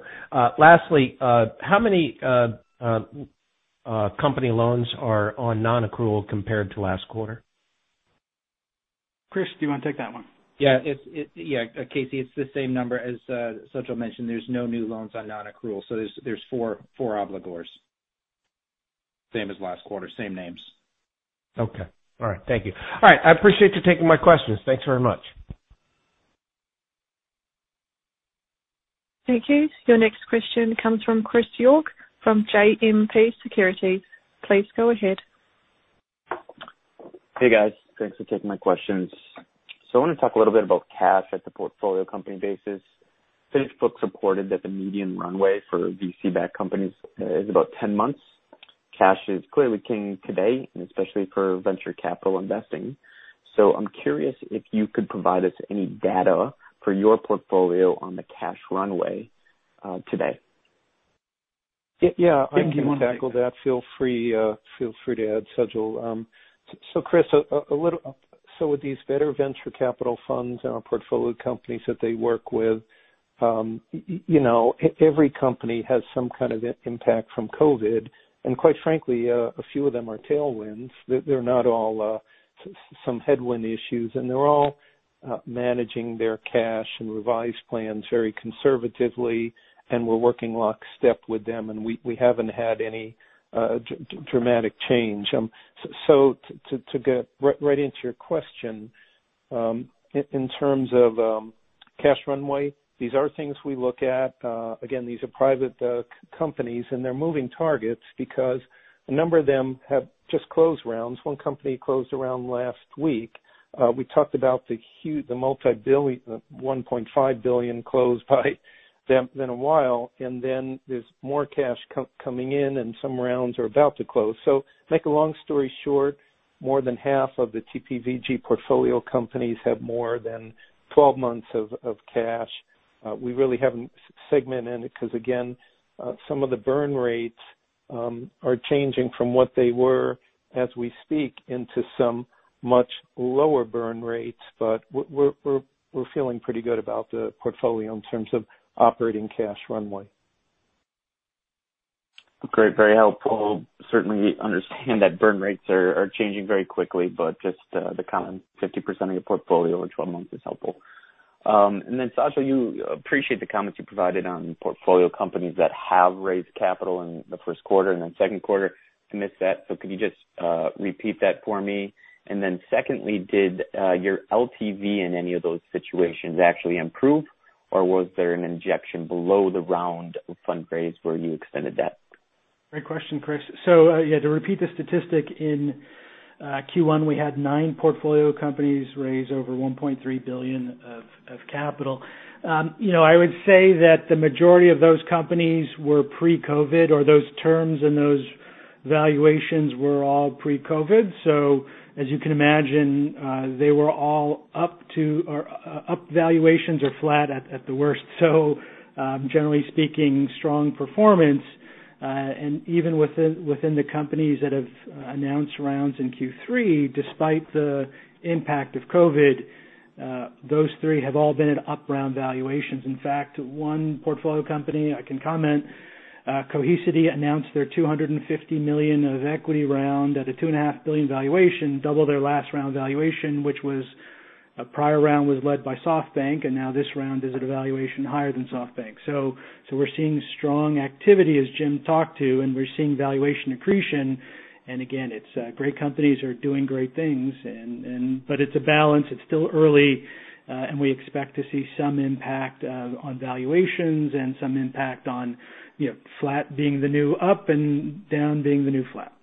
Lastly, how many company loans are on non-accrual compared to last quarter? Chris, do you want to take that one? Yeah. Casey, it's the same number as Sajal mentioned. There's no new loans on non-accrual. There's four obligors. Same as last quarter. Same names. Okay. All right. Thank you. All right. I appreciate you taking my questions. Thanks very much. Thank you. Your next question comes from Chris York from JMP Securities. Please go ahead. Hey, guys. Thanks for taking my questions. I want to talk a little bit about cash at the portfolio company basis. PitchBook reported that the median runway for VC-backed companies is about 10 months. Cash is clearly king today and especially for venture capital investing. I'm curious if you could provide us any data for your portfolio on the cash runway today? Yeah. I can tackle that. Feel free to add, Sajal. Chris, with these venture capital funds and our portfolio companies that they work with, every company has some kind of impact from COVID. Quite frankly, a few of them are tailwinds. They're not all some headwind issues. They're all managing their cash and revised plans very conservatively, and we're working lockstep with them. We haven't had any dramatic change. To get right into your question, in terms of cash runway, these are things we look at. Again, these are private companies, and they're moving targets because a number of them have just closed rounds. One company closed around last week. We talked about the multi-billion, $1.5 billion closed by them in a while, there's more cash coming in and some rounds are about to close. To make a long story short, more than half of the TPVG portfolio companies have more than 12 months of cash. We really haven't segmented it because, again, some of the burn rates are changing from what they were as we speak into some much lower burn rates. We're feeling pretty good about the portfolio in terms of operating cash runway. Great. Very helpful. Certainly understand that burn rates are changing very quickly, but just the comment, 50% of your portfolio in 12 months is helpful. Sajal, appreciate the comments you provided on portfolio companies that have raised capital in the first quarter and then second quarter. I missed that, so could you just repeat that for me? Secondly, did your LTV in any of those situations actually improve, or was there an injection below the round of fundraise where you extended that? Great question, Chris. To repeat the statistic in Q1, we had nine portfolio companies raise over $1.3 billion of capital. I would say that the majority of those companies were pre-COVID, or those terms and those valuations were all pre-COVID. As you can imagine, they were all up valuations or flat at the worst. Generally speaking, strong performance. Even within the companies that have announced rounds in Q2, despite the impact of COVID, those three have all been at up round valuations. In fact, one portfolio company I can comment, Cohesity announced their $250 million of equity round at a $2.5 billion valuation, double their last round valuation, which was a prior round was led by SoftBank, and now this round is at a valuation higher than SoftBank. We're seeing strong activity as Jim talked to, and we're seeing valuation accretion. Again, it's great companies are doing great things but it's a balance. It's still early. We expect to see some impact on valuations and some impact on flat being the new up and down being the new flat.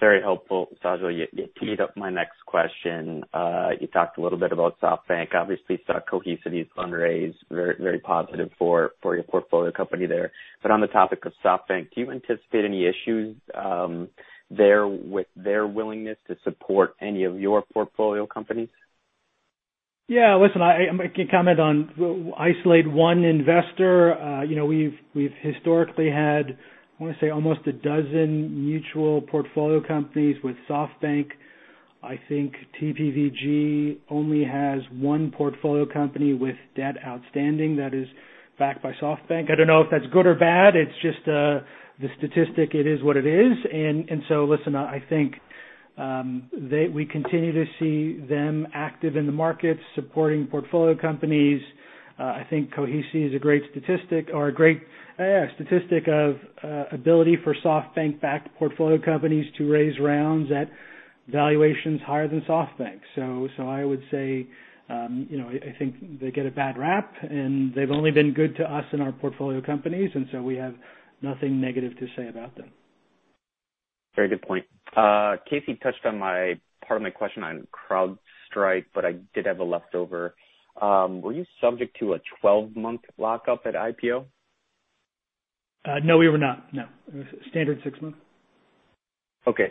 Very helpful. Sajal, you teed up my next question. You talked a little bit about SoftBank. Obviously, Cohesity's fundraise very positive for your portfolio company there. On the topic of SoftBank, do you anticipate any issues there with their willingness to support any of your portfolio companies? Yeah. Listen, I can comment on isolate one investor. We've historically had, I want to say, almost a dozen mutual portfolio companies with SoftBank. I think TPVG only has one portfolio company with debt outstanding that is backed by SoftBank. I don't know if that's good or bad. It's just the statistic. It is what it is. Listen, I think we continue to see them active in the market supporting portfolio companies. I think Cohesity is a great statistic of ability for SoftBank-backed portfolio companies to raise rounds at valuations higher than SoftBank's. I would say, I think they get a bad rap, and they've only been good to us and our portfolio companies, and so we have nothing negative to say about them. Very good point. Casey touched on part of my question on CrowdStrike, but I did have a leftover. Were you subject to a 12-month lockup at IPO? No, we were not. No. It was a standard six months. Okay.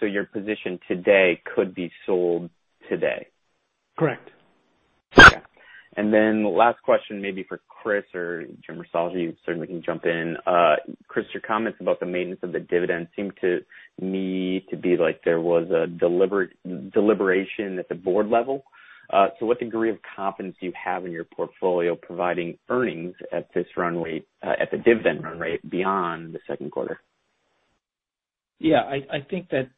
Your position today could be sold today? Correct. Okay. Last question maybe for Chris or Jim or Sajal, you certainly can jump in. Chris, your comments about the maintenance of the dividend seemed to me to be like there was a deliberation at the board level. What degree of confidence do you have in your portfolio providing earnings at the dividend run rate beyond the second quarter? Yeah. I think that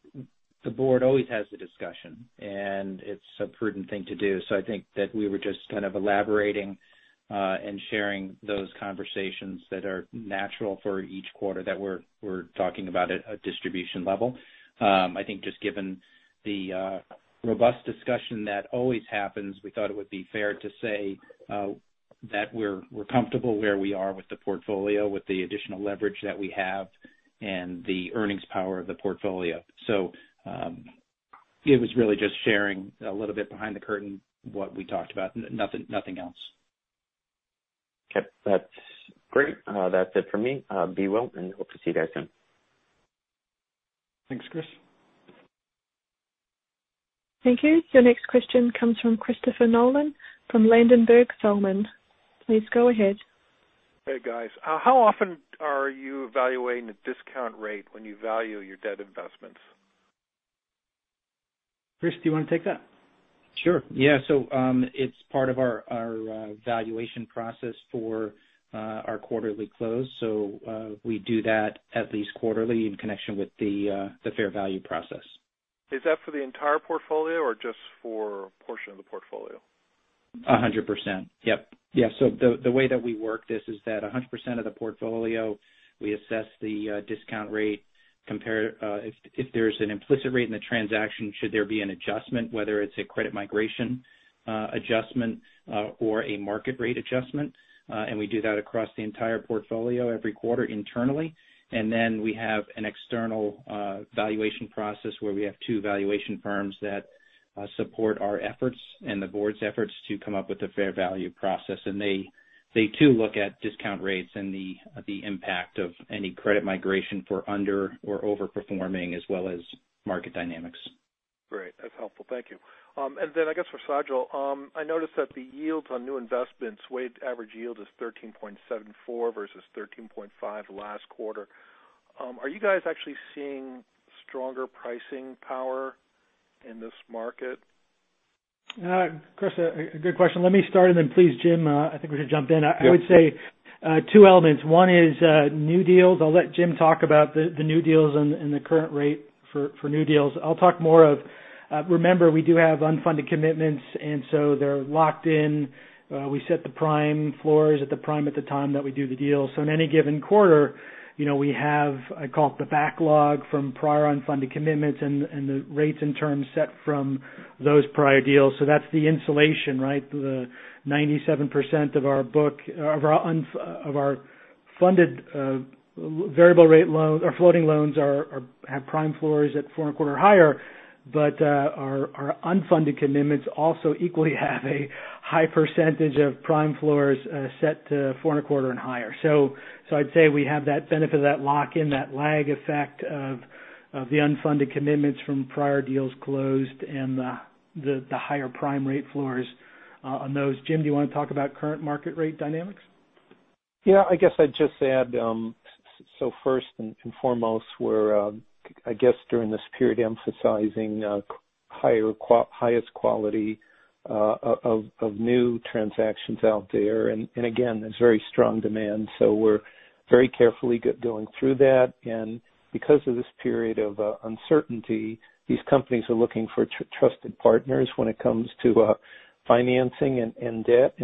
the board always has the discussion, and it's a prudent thing to do. I think that we were just kind of elaborating and sharing those conversations that are natural for each quarter that we're talking about at a distribution level. I think just given the robust discussion that always happens, we thought it would be fair to say that we're comfortable where we are with the portfolio, with the additional leverage that we have and the earnings power of the portfolio. It was really just sharing a little bit behind the curtain, what we talked about. Nothing else. Okay. That's great. That's it for me. Be well, and hope to see you guys soon. Thanks, Chris. Thank you. Your next question comes from Christopher Nolan from Ladenburg Thalmann. Please go ahead. Hey, guys. How often are you evaluating the discount rate when you value your debt investments? Chris, do you want to take that? Sure. Yeah. It's part of our valuation process for our quarterly close. We do that at least quarterly in connection with the fair value process. Is that for the entire portfolio or just for a portion of the portfolio? 100%. Yep. Yeah. The way that we work this is that 100% of the portfolio, we assess the discount rate. If there's an implicit rate in the transaction, should there be an adjustment, whether it's a credit migration adjustment or a market rate adjustment. We do that across the entire portfolio every quarter internally. Then we have an external valuation process where we have two valuation firms that support our efforts and the board's efforts to come up with a fair value process. They too look at discount rates and the impact of any credit migration for under or over-performing as well as market dynamics. Great. That's helpful. Thank you. Then I guess for Sajal. I noticed that the yields on new investments, weighted average yield is 13.74 versus 13.5 last quarter. Are you guys actually seeing stronger pricing power in this market? Chris, a good question. Let me start and then please, Jim, I think we're going to jump in. Yeah. I would say two elements. One is new deals. I'll let Jim talk about the new deals and the current rate for new deals. I'll talk more of. Remember, we do have unfunded commitments, they're locked in. We set the prime floors at the prime at the time that we do the deal. In any given quarter, we have, I call it the backlog from prior unfunded commitments and the rates and terms set from those prior deals. That's the insulation, right? The 97% of our funded variable rate loan or floating loans have prime floors at four and a quarter higher. Our unfunded commitments also equally have a high percentage of prime floors set to four and a quarter and higher. I'd say we have that benefit of that lock-in, that lag effect of the unfunded commitments from prior deals closed and the higher prime rate floors on those. Jim, do you want to talk about current market rate dynamics? I guess I'd just add. First and foremost, we're, I guess, during this period, emphasizing highest quality of new transactions out there. Again, there's very strong demand. We're very carefully going through that. Because of this period of uncertainty, these companies are looking for trusted partners when it comes to financing and debt.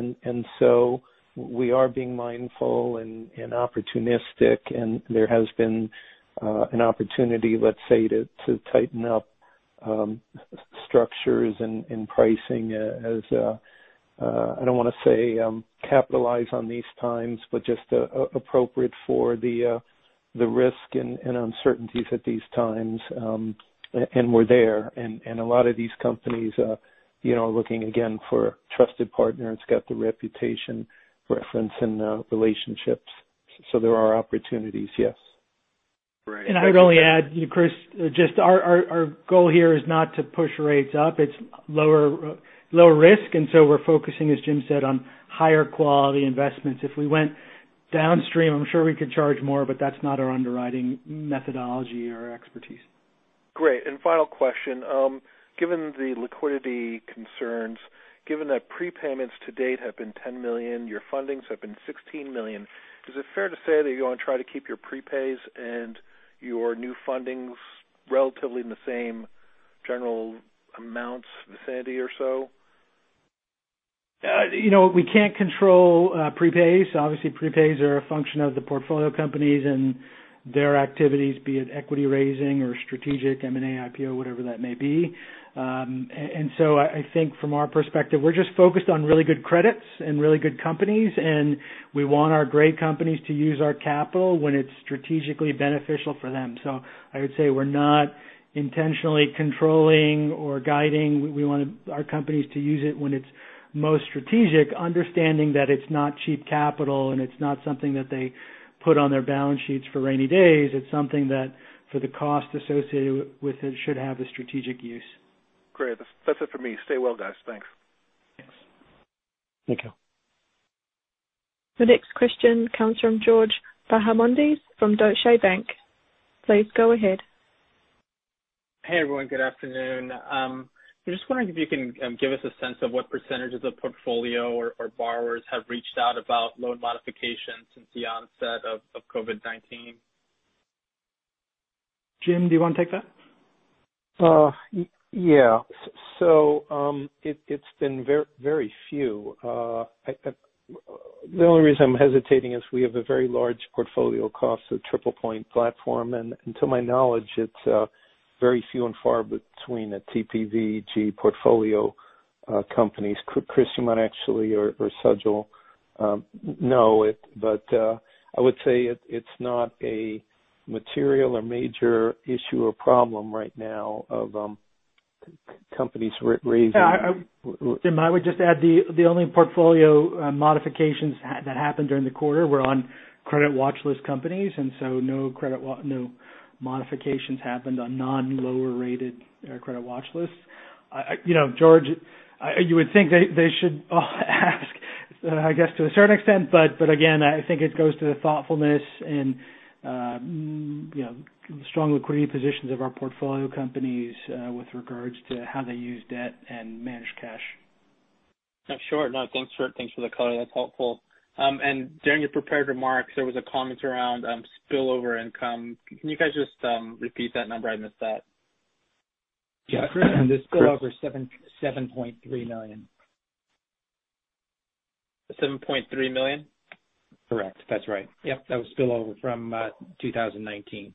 We are being mindful and opportunistic, and there has been an opportunity, let's say, to tighten up structures and pricing as, I don't want to say capitalize on these times, but just appropriate for the risk and uncertainties at these times. We're there. A lot of these companies are looking, again, for trusted partner that's got the reputation, reference, and relationships. There are opportunities, yes. I'd only add, Chris, just our goal here is not to push rates up. It's lower risk. We're focusing, as Jim said, on higher quality investments. If we went downstream, I'm sure we could charge more, but that's not our underwriting methodology or expertise. Great. Final question. Given the liquidity concerns, given that prepayments to date have been $10 million, your fundings have been $16 million, is it fair to say that you're going to try to keep your prepays and your new fundings relatively in the same general amounts, vicinity or so? We can't control prepays. Obviously, prepays are a function of the portfolio companies and their activities, be it equity raising or strategic M&A, IPO, whatever that may be. I think from our perspective, we're just focused on really good credits and really good companies, and we want our great companies to use our capital when it's strategically beneficial for them. I would say we're not intentionally controlling or guiding. We want our companies to use it when it's most strategic, understanding that it's not cheap capital and it's not something that they put on their balance sheets for rainy days. It's something that for the cost associated with it should have a strategic use. Great. That's it for me. Stay well, guys. Thanks. Thanks. Thank you. The next question comes from George Bahamondes from Deutsche Bank. Please go ahead. Hey, everyone. Good afternoon. I'm just wondering if you can give us a sense of what percentage of the portfolio or borrowers have reached out about loan modifications since the onset of COVID-19. Jim, do you want to take that? Yeah. It's been very few. The only reason I'm hesitating is we have a very large portfolio cost of TriplePoint Capital, and to my knowledge, it's very few and far between the TPVG portfolio companies. Chris, you might actually or Sajal know it. I would say it's not a material or major issue or problem right now of companies raising. Jim, I would just add the only portfolio modifications that happened during the quarter were on credit watch list companies. No modifications happened on non-lower rated credit watch lists. George, you would think they should ask, I guess, to a certain extent. Again, I think it goes to the thoughtfulness and strong liquidity positions of our portfolio companies with regards to how they use debt and manage cash. Sure. No, thanks for the color. That's helpful. During your prepared remarks, there was a comment around spillover income. Can you guys just repeat that number? I missed that. Yeah. The spillover is $7.3 million. $7.3 million? Correct. That's right. Yep, that was spillover from 2019.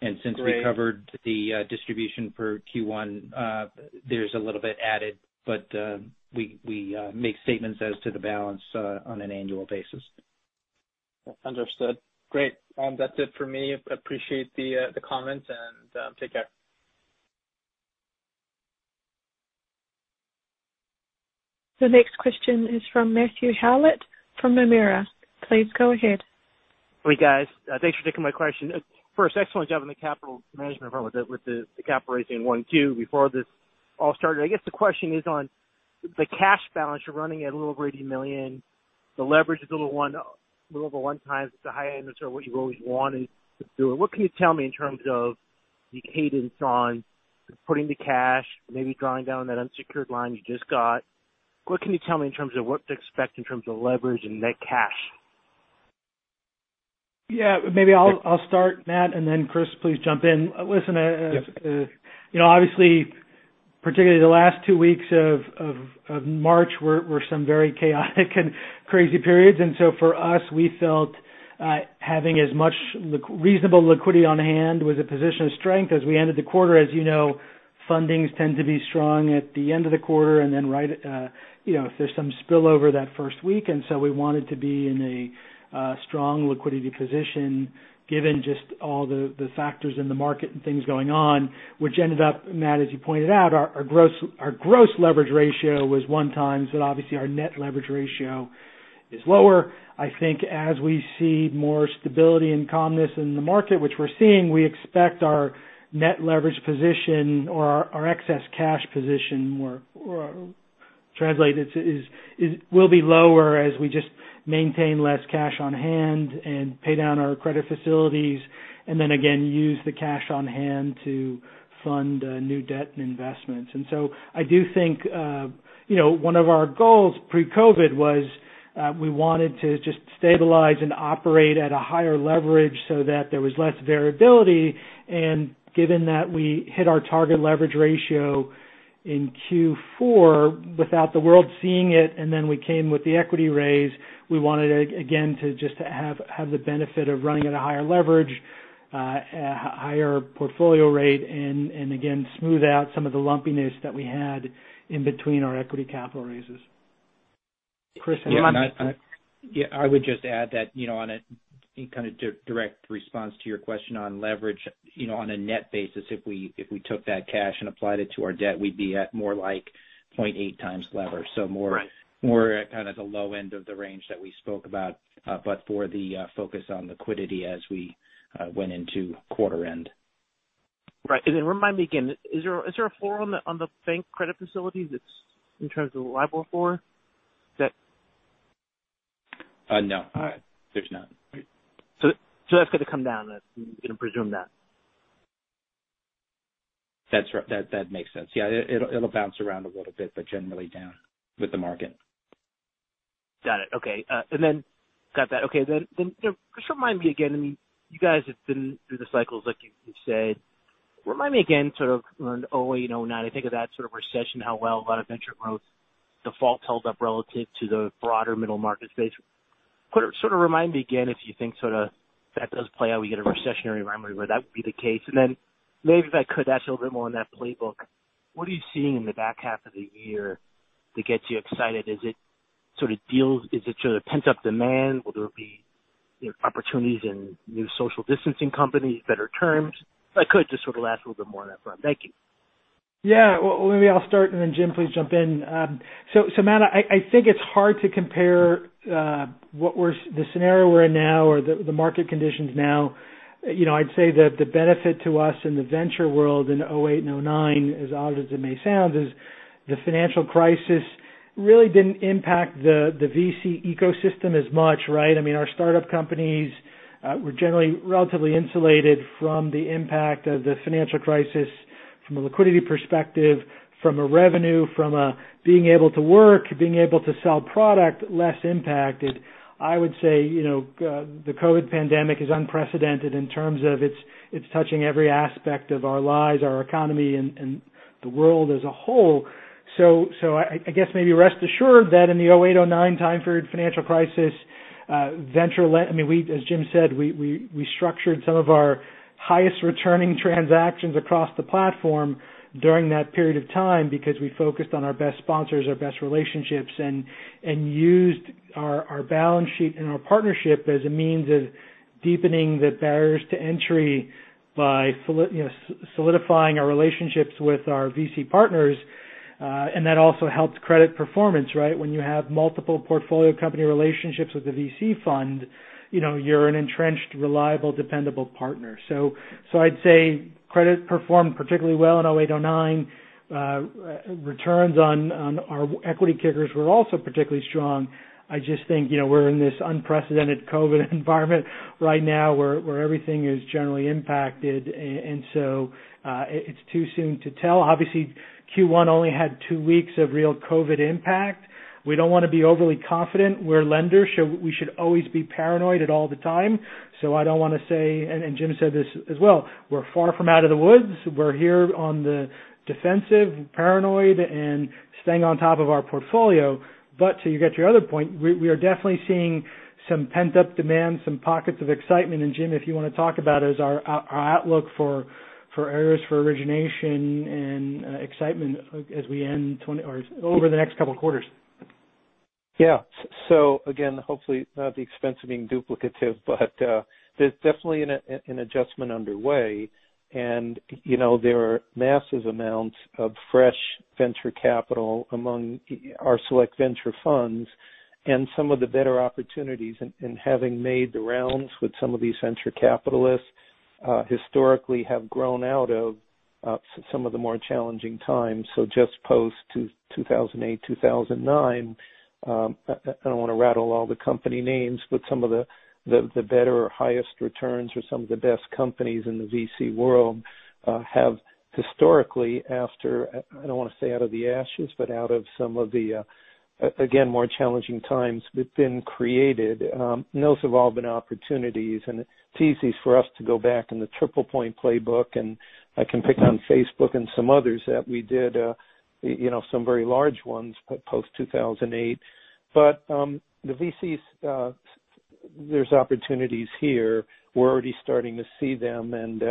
Great. Since we covered the distribution for Q1, there's a little bit added. We make statements as to the balance on an annual basis. Understood. Great. That's it for me. Appreciate the comments and take care. The next question is from Matthew Howlett from Nomura. Please go ahead. Hey, guys. Thanks for taking my question. First, excellent job on the capital management front with the capital raising one, two, before this all started. I guess the question is on the cash balance. You're running at a little over $80 million. The leverage is a little over one times. It's a high end of sort of what you've always wanted to do. What can you tell me in terms of the cadence on putting the cash, maybe drawing down that unsecured line you just got? What can you tell me in terms of what to expect in terms of leverage and net cash? Yeah, maybe I'll start, Matt, and then Chris, please jump in. Yeah Particularly the last two weeks of March were some very chaotic and crazy periods. For us, we felt having as much reasonable liquidity on hand was a position of strength as we ended the quarter. As you know, fundings tend to be strong at the end of the quarter and then if there's some spillover that first week. We wanted to be in a strong liquidity position given just all the factors in the market and things going on, which ended up, Matt, as you pointed out, our gross leverage ratio was one times, obviously our net leverage ratio is lower. I think as we see more stability and calmness in the market, which we're seeing, we expect our net leverage position or our excess cash position translated will be lower as we just maintain less cash on hand and pay down our credit facilities, and then again, use the cash on hand to fund new debt and investments. I do think one of our goals pre-COVID was we wanted to just stabilize and operate at a higher leverage so that there was less variability. Given that we hit our target leverage ratio in Q4 without the world seeing it, and then we came with the equity raise, we wanted, again, to just have the benefit of running at a higher leverage, a higher portfolio rate, and again, smooth out some of the lumpiness that we had in between our equity capital raises. Chris. Yeah. I would just add that on a kind of direct response to your question on leverage. On a net basis, if we took that cash and applied it to our debt, we'd be at more like 0.8 times lever. Right. More at kind of the low end of the range that we spoke about. For the focus on liquidity as we went into quarter end. Right. Then remind me again, is there a floor on the bank credit facilities in terms of the LIBOR for that? No. All right. There's not. That's going to come down. I'm going to presume that? That makes sense. Yeah. It'll bounce around a little bit, but generally down with the market. Got it. Okay. Then just remind me again, you guys have been through the cycles like you've said. Remind me again, sort of on 2008 and 2009, I think of that sort of recession, how well a lot of venture growth defaults held up relative to the broader middle market space. Sort of remind me again if you think sort of that does play out, we get a recessionary environment where that would be the case. Then maybe if I could ask a little bit more on that playbook. What are you seeing in the back half of the year that gets you excited? Is it sort of deals? Is it sort of pent-up demand? Will there be opportunities in new social distancing companies, better terms? If I could just sort of last a little bit more on that front. Thank you. Yeah. Well, maybe I'll start and then Jim, please jump in. Matt, I think it's hard to compare the scenario we're in now or the market conditions now. I'd say that the benefit to us in the venture world in 2008 and 2009, as odd as it may sound, is the financial crisis really didn't impact the VC ecosystem as much, right? I mean, our startup companies were generally relatively insulated from the impact of the financial crisis from a liquidity perspective, from a revenue, from a being able to work, being able to sell product less impacted. I would say the COVID pandemic is unprecedented in terms of it's touching every aspect of our lives, our economy, and the world as a whole. I guess maybe rest assured that in the 2008, 2009 time period financial crisis, as Jim said, we structured some of our highest returning transactions across the platform during that period of time because we focused on our best sponsors, our best relationships, and used our balance sheet and our partnership as a means of deepening the barriers to entry by solidifying our relationships with our VC partners. That also helped credit performance, right? When you have multiple portfolio company relationships with the VC fund, you're an entrenched, reliable, dependable partner. I'd say credit performed particularly well in 2008, 2009. Returns on our equity kickers were also particularly strong. I just think we're in this unprecedented COVID environment right now where everything is generally impacted. It's too soon to tell. Obviously, Q1 only had two weeks of real COVID impact. We don't want to be overly confident. We're lenders, so we should always be paranoid at all the time. I don't want to say, and Jim said this as well, we're far from out of the woods. We're here on the defensive, paranoid, and staying on top of our portfolio. To your other point, we are definitely seeing some pent-up demand, some pockets of excitement. Jim, if you want to talk about our outlook for areas for origination and excitement over the next couple of quarters. Yeah. Again, hopefully not at the expense of being duplicative, there's definitely an adjustment underway. There are massive amounts of fresh venture capital among our select venture funds. Some of the better opportunities in having made the rounds with some of these venture capitalists, historically have grown out of some of the more challenging times. Just post 2008, 2009. I don't want to rattle all the company names, some of the better or highest returns or some of the best companies in the VC world have historically after, I don't want to say out of the ashes, out of some of the, again, more challenging times, been created. Those have all been opportunities. It's easy for us to go back in the TriplePoint playbook, and I can pick on Facebook and some others that we did some very large ones post-2008. The VCs. There's opportunities here. We're already starting to see them, and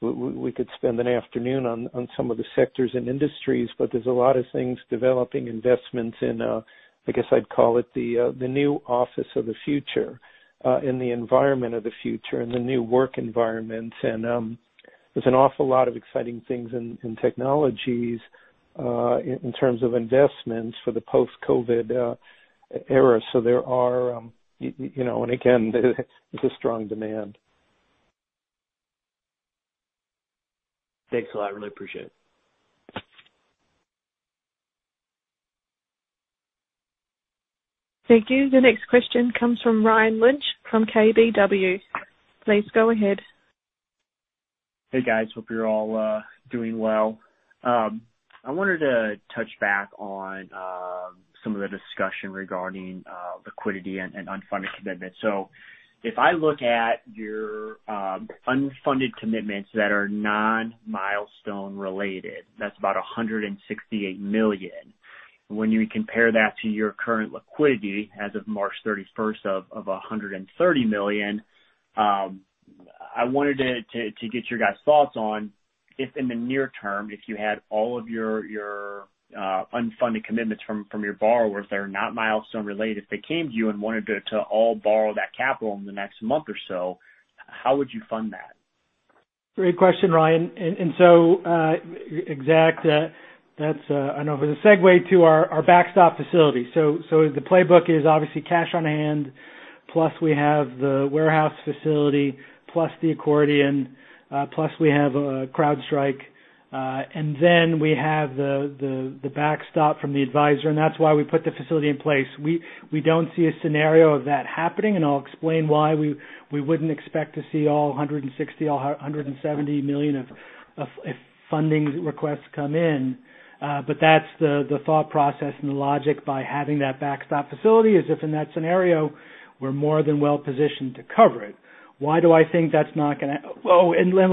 we could spend an afternoon on some of the sectors and industries, but there's a lot of things developing investments in, I guess I'd call it the new office of the future, and the environment of the future and the new work environments. There's an awful lot of exciting things in technologies, in terms of investments for the post-COVID era. There are. Again, there's a strong demand. Thanks a lot. I really appreciate it. Thank you. The next question comes from Ryan Lynch from KBW. Please go ahead. Hey, guys. Hope you're all doing well. I wanted to touch back on some of the discussion regarding liquidity and unfunded commitments. If I look at your unfunded commitments that are non-milestone related, that's about $168 million. When you compare that to your current liquidity as of March 31st of $130 million, I wanted to get your guys' thoughts on if in the near term, if you had all of your unfunded commitments from your borrowers that are not milestone related, if they came to you and wanted to all borrow that capital in the next month or so, how would you fund that? Great question, Ryan. Exact, that's I know the segue to our backstop facility. The playbook is obviously cash on hand, plus we have the warehouse facility, plus the accordion, plus we have CrowdStrike, and then we have the backstop from the advisor, and that's why we put the facility in place. We don't see a scenario of that happening, and I'll explain why we wouldn't expect to see all $160 million, all $170 million of funding requests come in. That's the thought process and the logic by having that backstop facility is if in that scenario, we're more than well-positioned to cover it. Let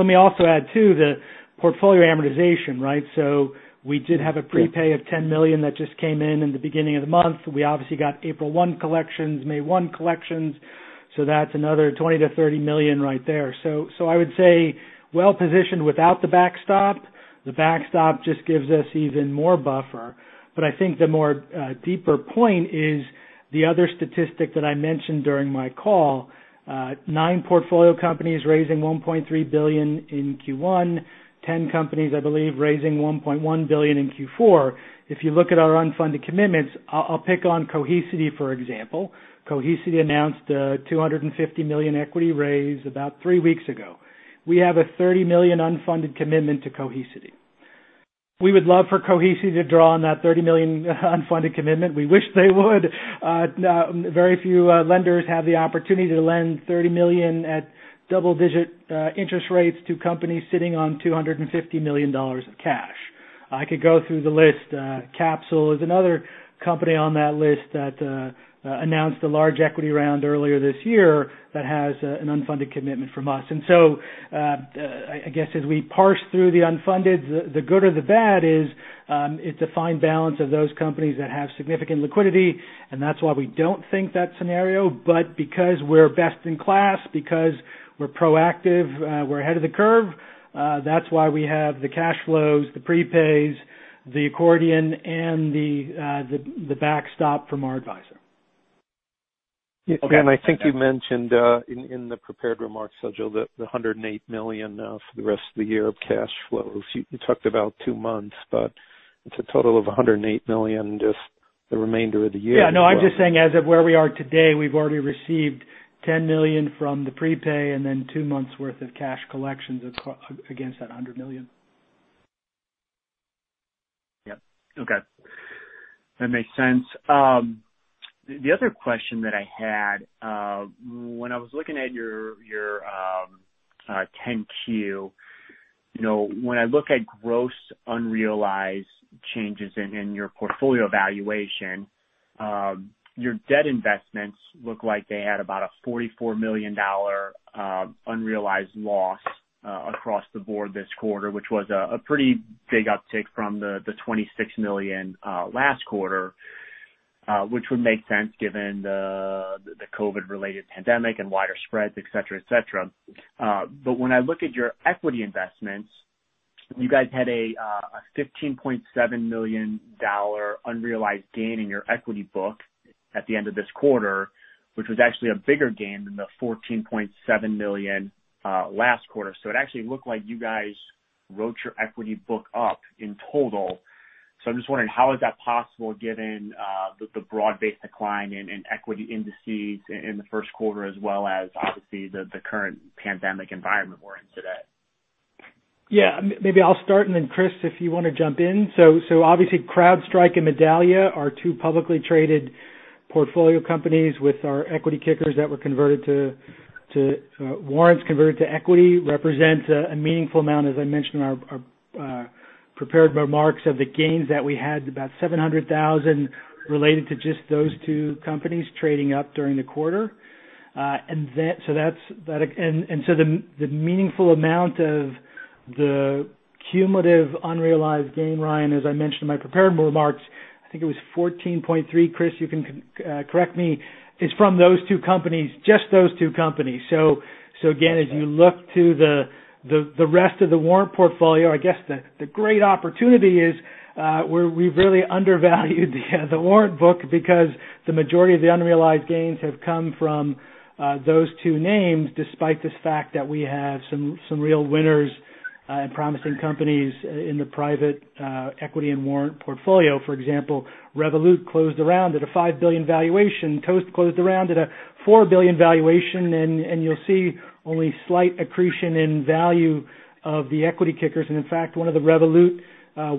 me also add too, the portfolio amortization, right? We did have a prepay of $10 million that just came in in the beginning of the month. We obviously got April 1 collections, May 1 collections, that's another $20 million-$30 million right there. I would say well-positioned without the backstop. The backstop just gives us even more buffer. I think the more deeper point is the other statistic that I mentioned during my call. Nine portfolio companies raising $1.3 billion in Q1. 10 companies, I believe, raising $1.1 billion in Q4. If you look at our unfunded commitments, I'll pick on Cohesity, for example. Cohesity announced a $250 million equity raise about three weeks ago. We have a $30 million unfunded commitment to Cohesity. We would love for Cohesity to draw on that $30 million unfunded commitment. We wish they would. Very few lenders have the opportunity to lend $30 million at double-digit interest rates to companies sitting on $250 million of cash. I could go through the list. Capsule is another company on that list that announced a large equity round earlier this year that has an unfunded commitment from us. I guess as we parse through the unfunded, the good or the bad is it's a fine balance of those companies that have significant liquidity, and that's why we don't think that scenario. Because we're best in class, because we're proactive, we're ahead of the curve, that's why we have the cash flows, the prepays, the accordion, and the backstop from our advisor. I think you mentioned, in the prepared remarks schedule that the $108 million for the rest of the year of cash flows. You talked about two months, but it's a total of $108 million, just the remainder of the year? Yeah. No, I'm just saying as of where we are today, we've already received $10 million from the prepay and then two months worth of cash collections against that $100 million. Yep. Okay. That makes sense. The other question that I had, when I was looking at your 10-Q. When I look at gross unrealized changes in your portfolio valuation, your debt investments look like they had about a $44 million unrealized loss across the board this quarter, which was a pretty big uptick from the $26 million last quarter, which would make sense given the COVID-related pandemic and wider spreads, et cetera. When I look at your equity investments, you guys had a $15.7 million unrealized gain in your equity book at the end of this quarter, which was actually a bigger gain than the $14.7 million last quarter. It actually looked like you guys wrote your equity book up in total. I'm just wondering, how is that possible given the broad-based decline in equity indices in the first quarter as well as obviously the current pandemic environment we're in today? Maybe I'll start. Chris, if you want to jump in. Obviously CrowdStrike and Medallia are two publicly traded portfolio companies with our equity kickers that were warrants converted to equity, represent a meaningful amount, as I mentioned in our prepared remarks of the gains that we had, about $700,000 related to just those two companies trading up during the quarter. The cumulative unrealized gain, Ryan, as I mentioned in my prepared remarks, I think it was $14.3. Chris, you can correct me, is from those two companies, just those two companies. As you look to the rest of the warrant portfolio, I guess the great opportunity is where we've really undervalued the warrant book because the majority of the unrealized gains have come from those two names, despite this fact that we have some real winners and promising companies in the private equity and warrant portfolio. For example, Revolut closed a round at a $5 billion valuation. Toast closed a round at a $4 billion valuation. You'll see only slight accretion in value of the equity kickers. In fact, one of the Revolut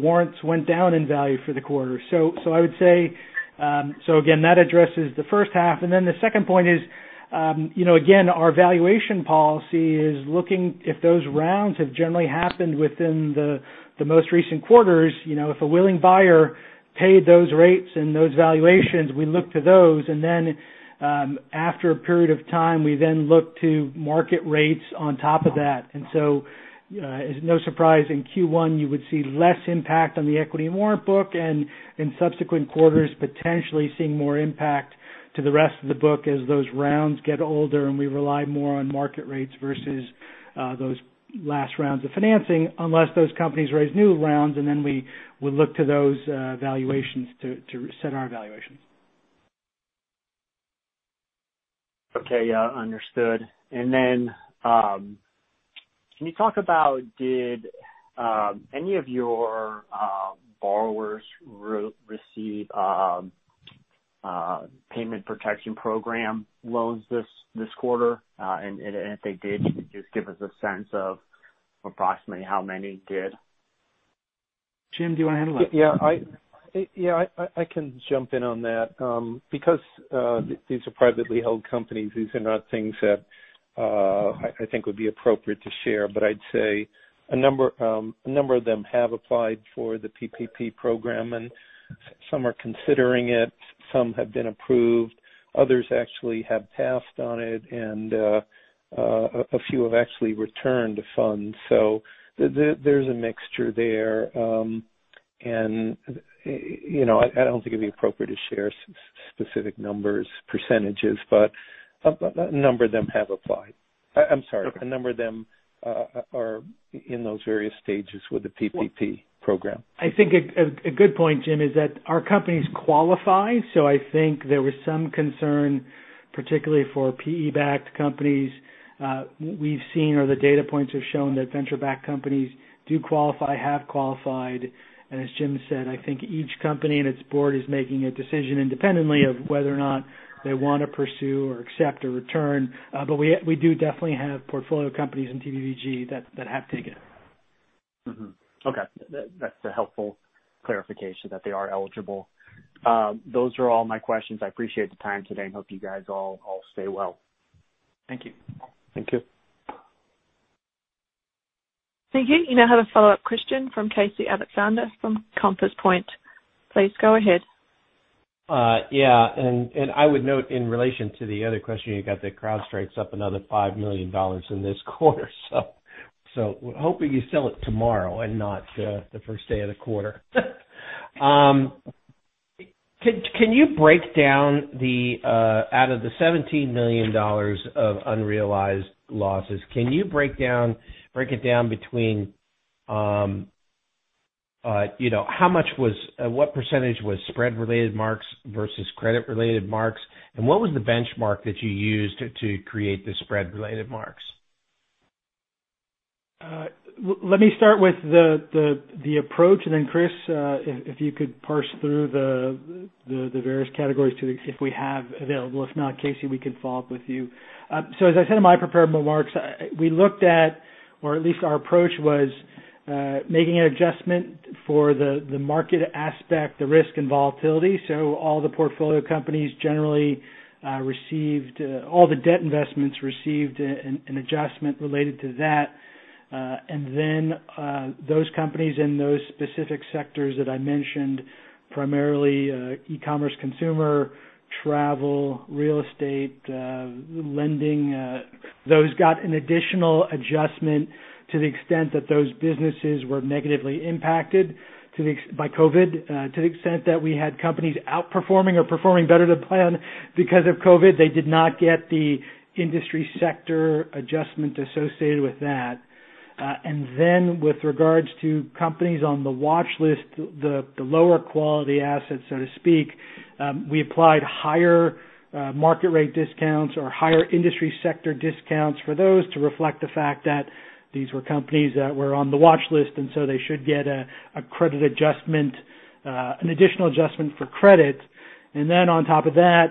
warrants went down in value for the quarter. I would say, again, that addresses the first half. The second point is, again, our valuation policy is looking if those rounds have generally happened within the most recent quarters. If a willing buyer paid those rates and those valuations, we look to those. After a period of time, we then look to market rates on top of that. It's no surprise in Q1 you would see less impact on the equity warrant book. In subsequent quarters, potentially seeing more impact to the rest of the book as those rounds get older and we rely more on market rates versus those last rounds of financing. Unless those companies raise new rounds and then we would look to those valuations to set our valuations. Okay. Yeah. Understood. Can you talk about did any of your borrowers receive Paycheck Protection Program loans this quarter? If they did, could you just give us a sense of approximately how many did? Jim, do you want to handle that? Yeah. I can jump in on that. Because these are privately held companies, these are not things that I think would be appropriate to share. I'd say a number of them have applied for the PPP program, and some are considering it. Some have been approved. Others actually have passed on it. A few have actually returned the funds. There's a mixture there. I don't think it'd be appropriate to share specific numbers, percentages. A number of them have applied. I'm sorry. Okay. A number of them are in those various stages with the PPP program. I think a good point, Jim, is that our companies qualify. I think there was some concern, particularly for PE-backed companies. We've seen or the data points have shown that venture-backed companies do qualify, have qualified. As Jim said, I think each company and its board is making a decision independently of whether or not they want to pursue or accept a return. We do definitely have portfolio companies in TPVG that have taken it. Okay. That's a helpful clarification that they are eligible. Those are all my questions. I appreciate the time today and hope you guys all stay well. Thank you. Thank you. Thank you. You now have a follow-up question from Casey Alexander from Compass Point. Please go ahead. Yeah. I would note in relation to the other question you got that CrowdStrike's up another $5 million in this quarter. We're hoping you sell it tomorrow and not the first day of the quarter. Can you break down out of the $17 million of unrealized losses, can you break it down between what percentage was spread-related marks versus credit-related marks, and what was the benchmark that you used to create the spread-related marks? Let me start with the approach, and then Chris if you could parse through the various categories too, if we have available. If not, Casey, we can follow up with you. As I said in my prepared remarks, we looked at, or at least our approach was making an adjustment for the market aspect, the risk and volatility. All the portfolio companies generally received all the debt investments received an adjustment related to that. Then those companies in those specific sectors that I mentioned, primarily e-commerce, consumer, travel, real estate, lending those got an additional adjustment to the extent that those businesses were negatively impacted by COVID. To the extent that we had companies outperforming or performing better than planned because of COVID. They did not get the industry sector adjustment associated with that. With regards to companies on the watchlist, the lower quality assets, so to speak, we applied higher market rate discounts or higher industry sector discounts for those to reflect the fact that these were companies that were on the watchlist, and so they should get a credit adjustment an additional adjustment for credit. On top of that,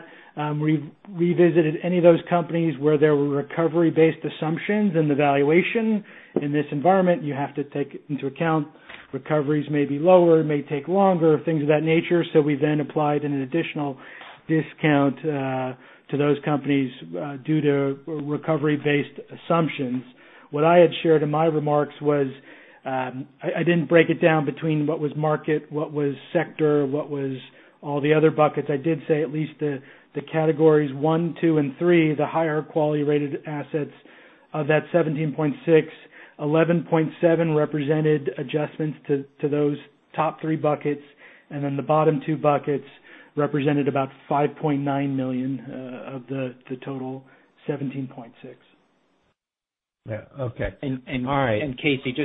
we revisited any of those companies where there were recovery-based assumptions in the valuation. In this environment, you have to take into account recoveries may be lower, may take longer, things of that nature. We then applied an additional discount to those companies due to recovery-based assumptions. What I had shared in my remarks was I didn't break it down between what was market, what was sector, what was all the other buckets. I did say at least the categories one, two and three, the higher quality rated assets. Of that $17.6 million, $11.7 million represented adjustments to those top three buckets, and then the bottom two buckets represented about $5.9 million of the total $17.6 million. Yeah. Okay. All right. Casey,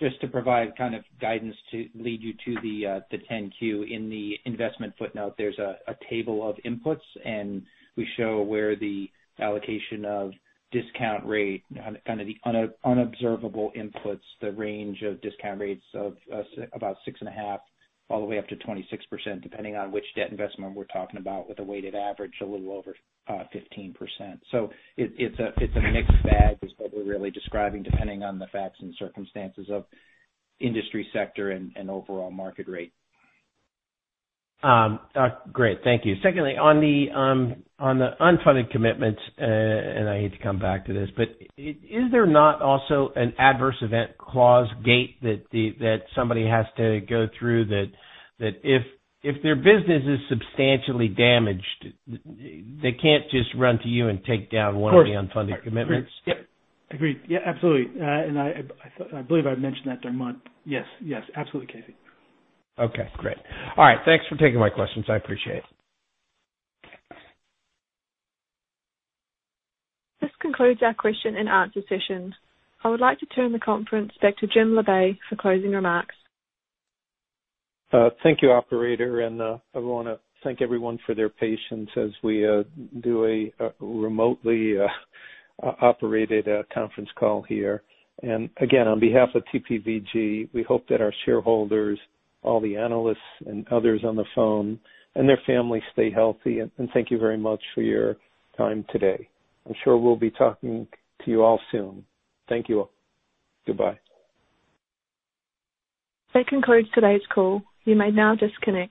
just to provide kind of guidance to lead you to the 10-Q, in the investment footnote, there's a table of inputs, and we show where the allocation of discount rate, kind of the unobservable inputs, the range of discount rates of about 6.5% all the way up to 26%, depending on which debt investment we're talking about, with a weighted average a little over 15%. It's a mixed bag is what we're really describing, depending on the facts and circumstances of industry sector and overall market rate. Great. Thank you. Secondly, on the unfunded commitments, and I hate to come back to this, but is there not also an adverse event clause gate that somebody has to go through that if their business is substantially damaged, they can't just run to you and take down one? Of course. of the unfunded commitments? Yep. Agreed. Yeah, absolutely. I believe I mentioned that during month. Yes. Absolutely, Casey. Okay, great. All right. Thanks for taking my questions. I appreciate it. This concludes our question and answer session. I would like to turn the conference back to Jim Labe for closing remarks. Thank you, operator. I want to thank everyone for their patience as we do a remotely operated conference call here. Again, on behalf of TPVG, we hope that our shareholders, all the analysts and others on the phone, and their families stay healthy. Thank you very much for your time today. I'm sure we'll be talking to you all soon. Thank you all. Goodbye. That concludes today's call. You may now disconnect.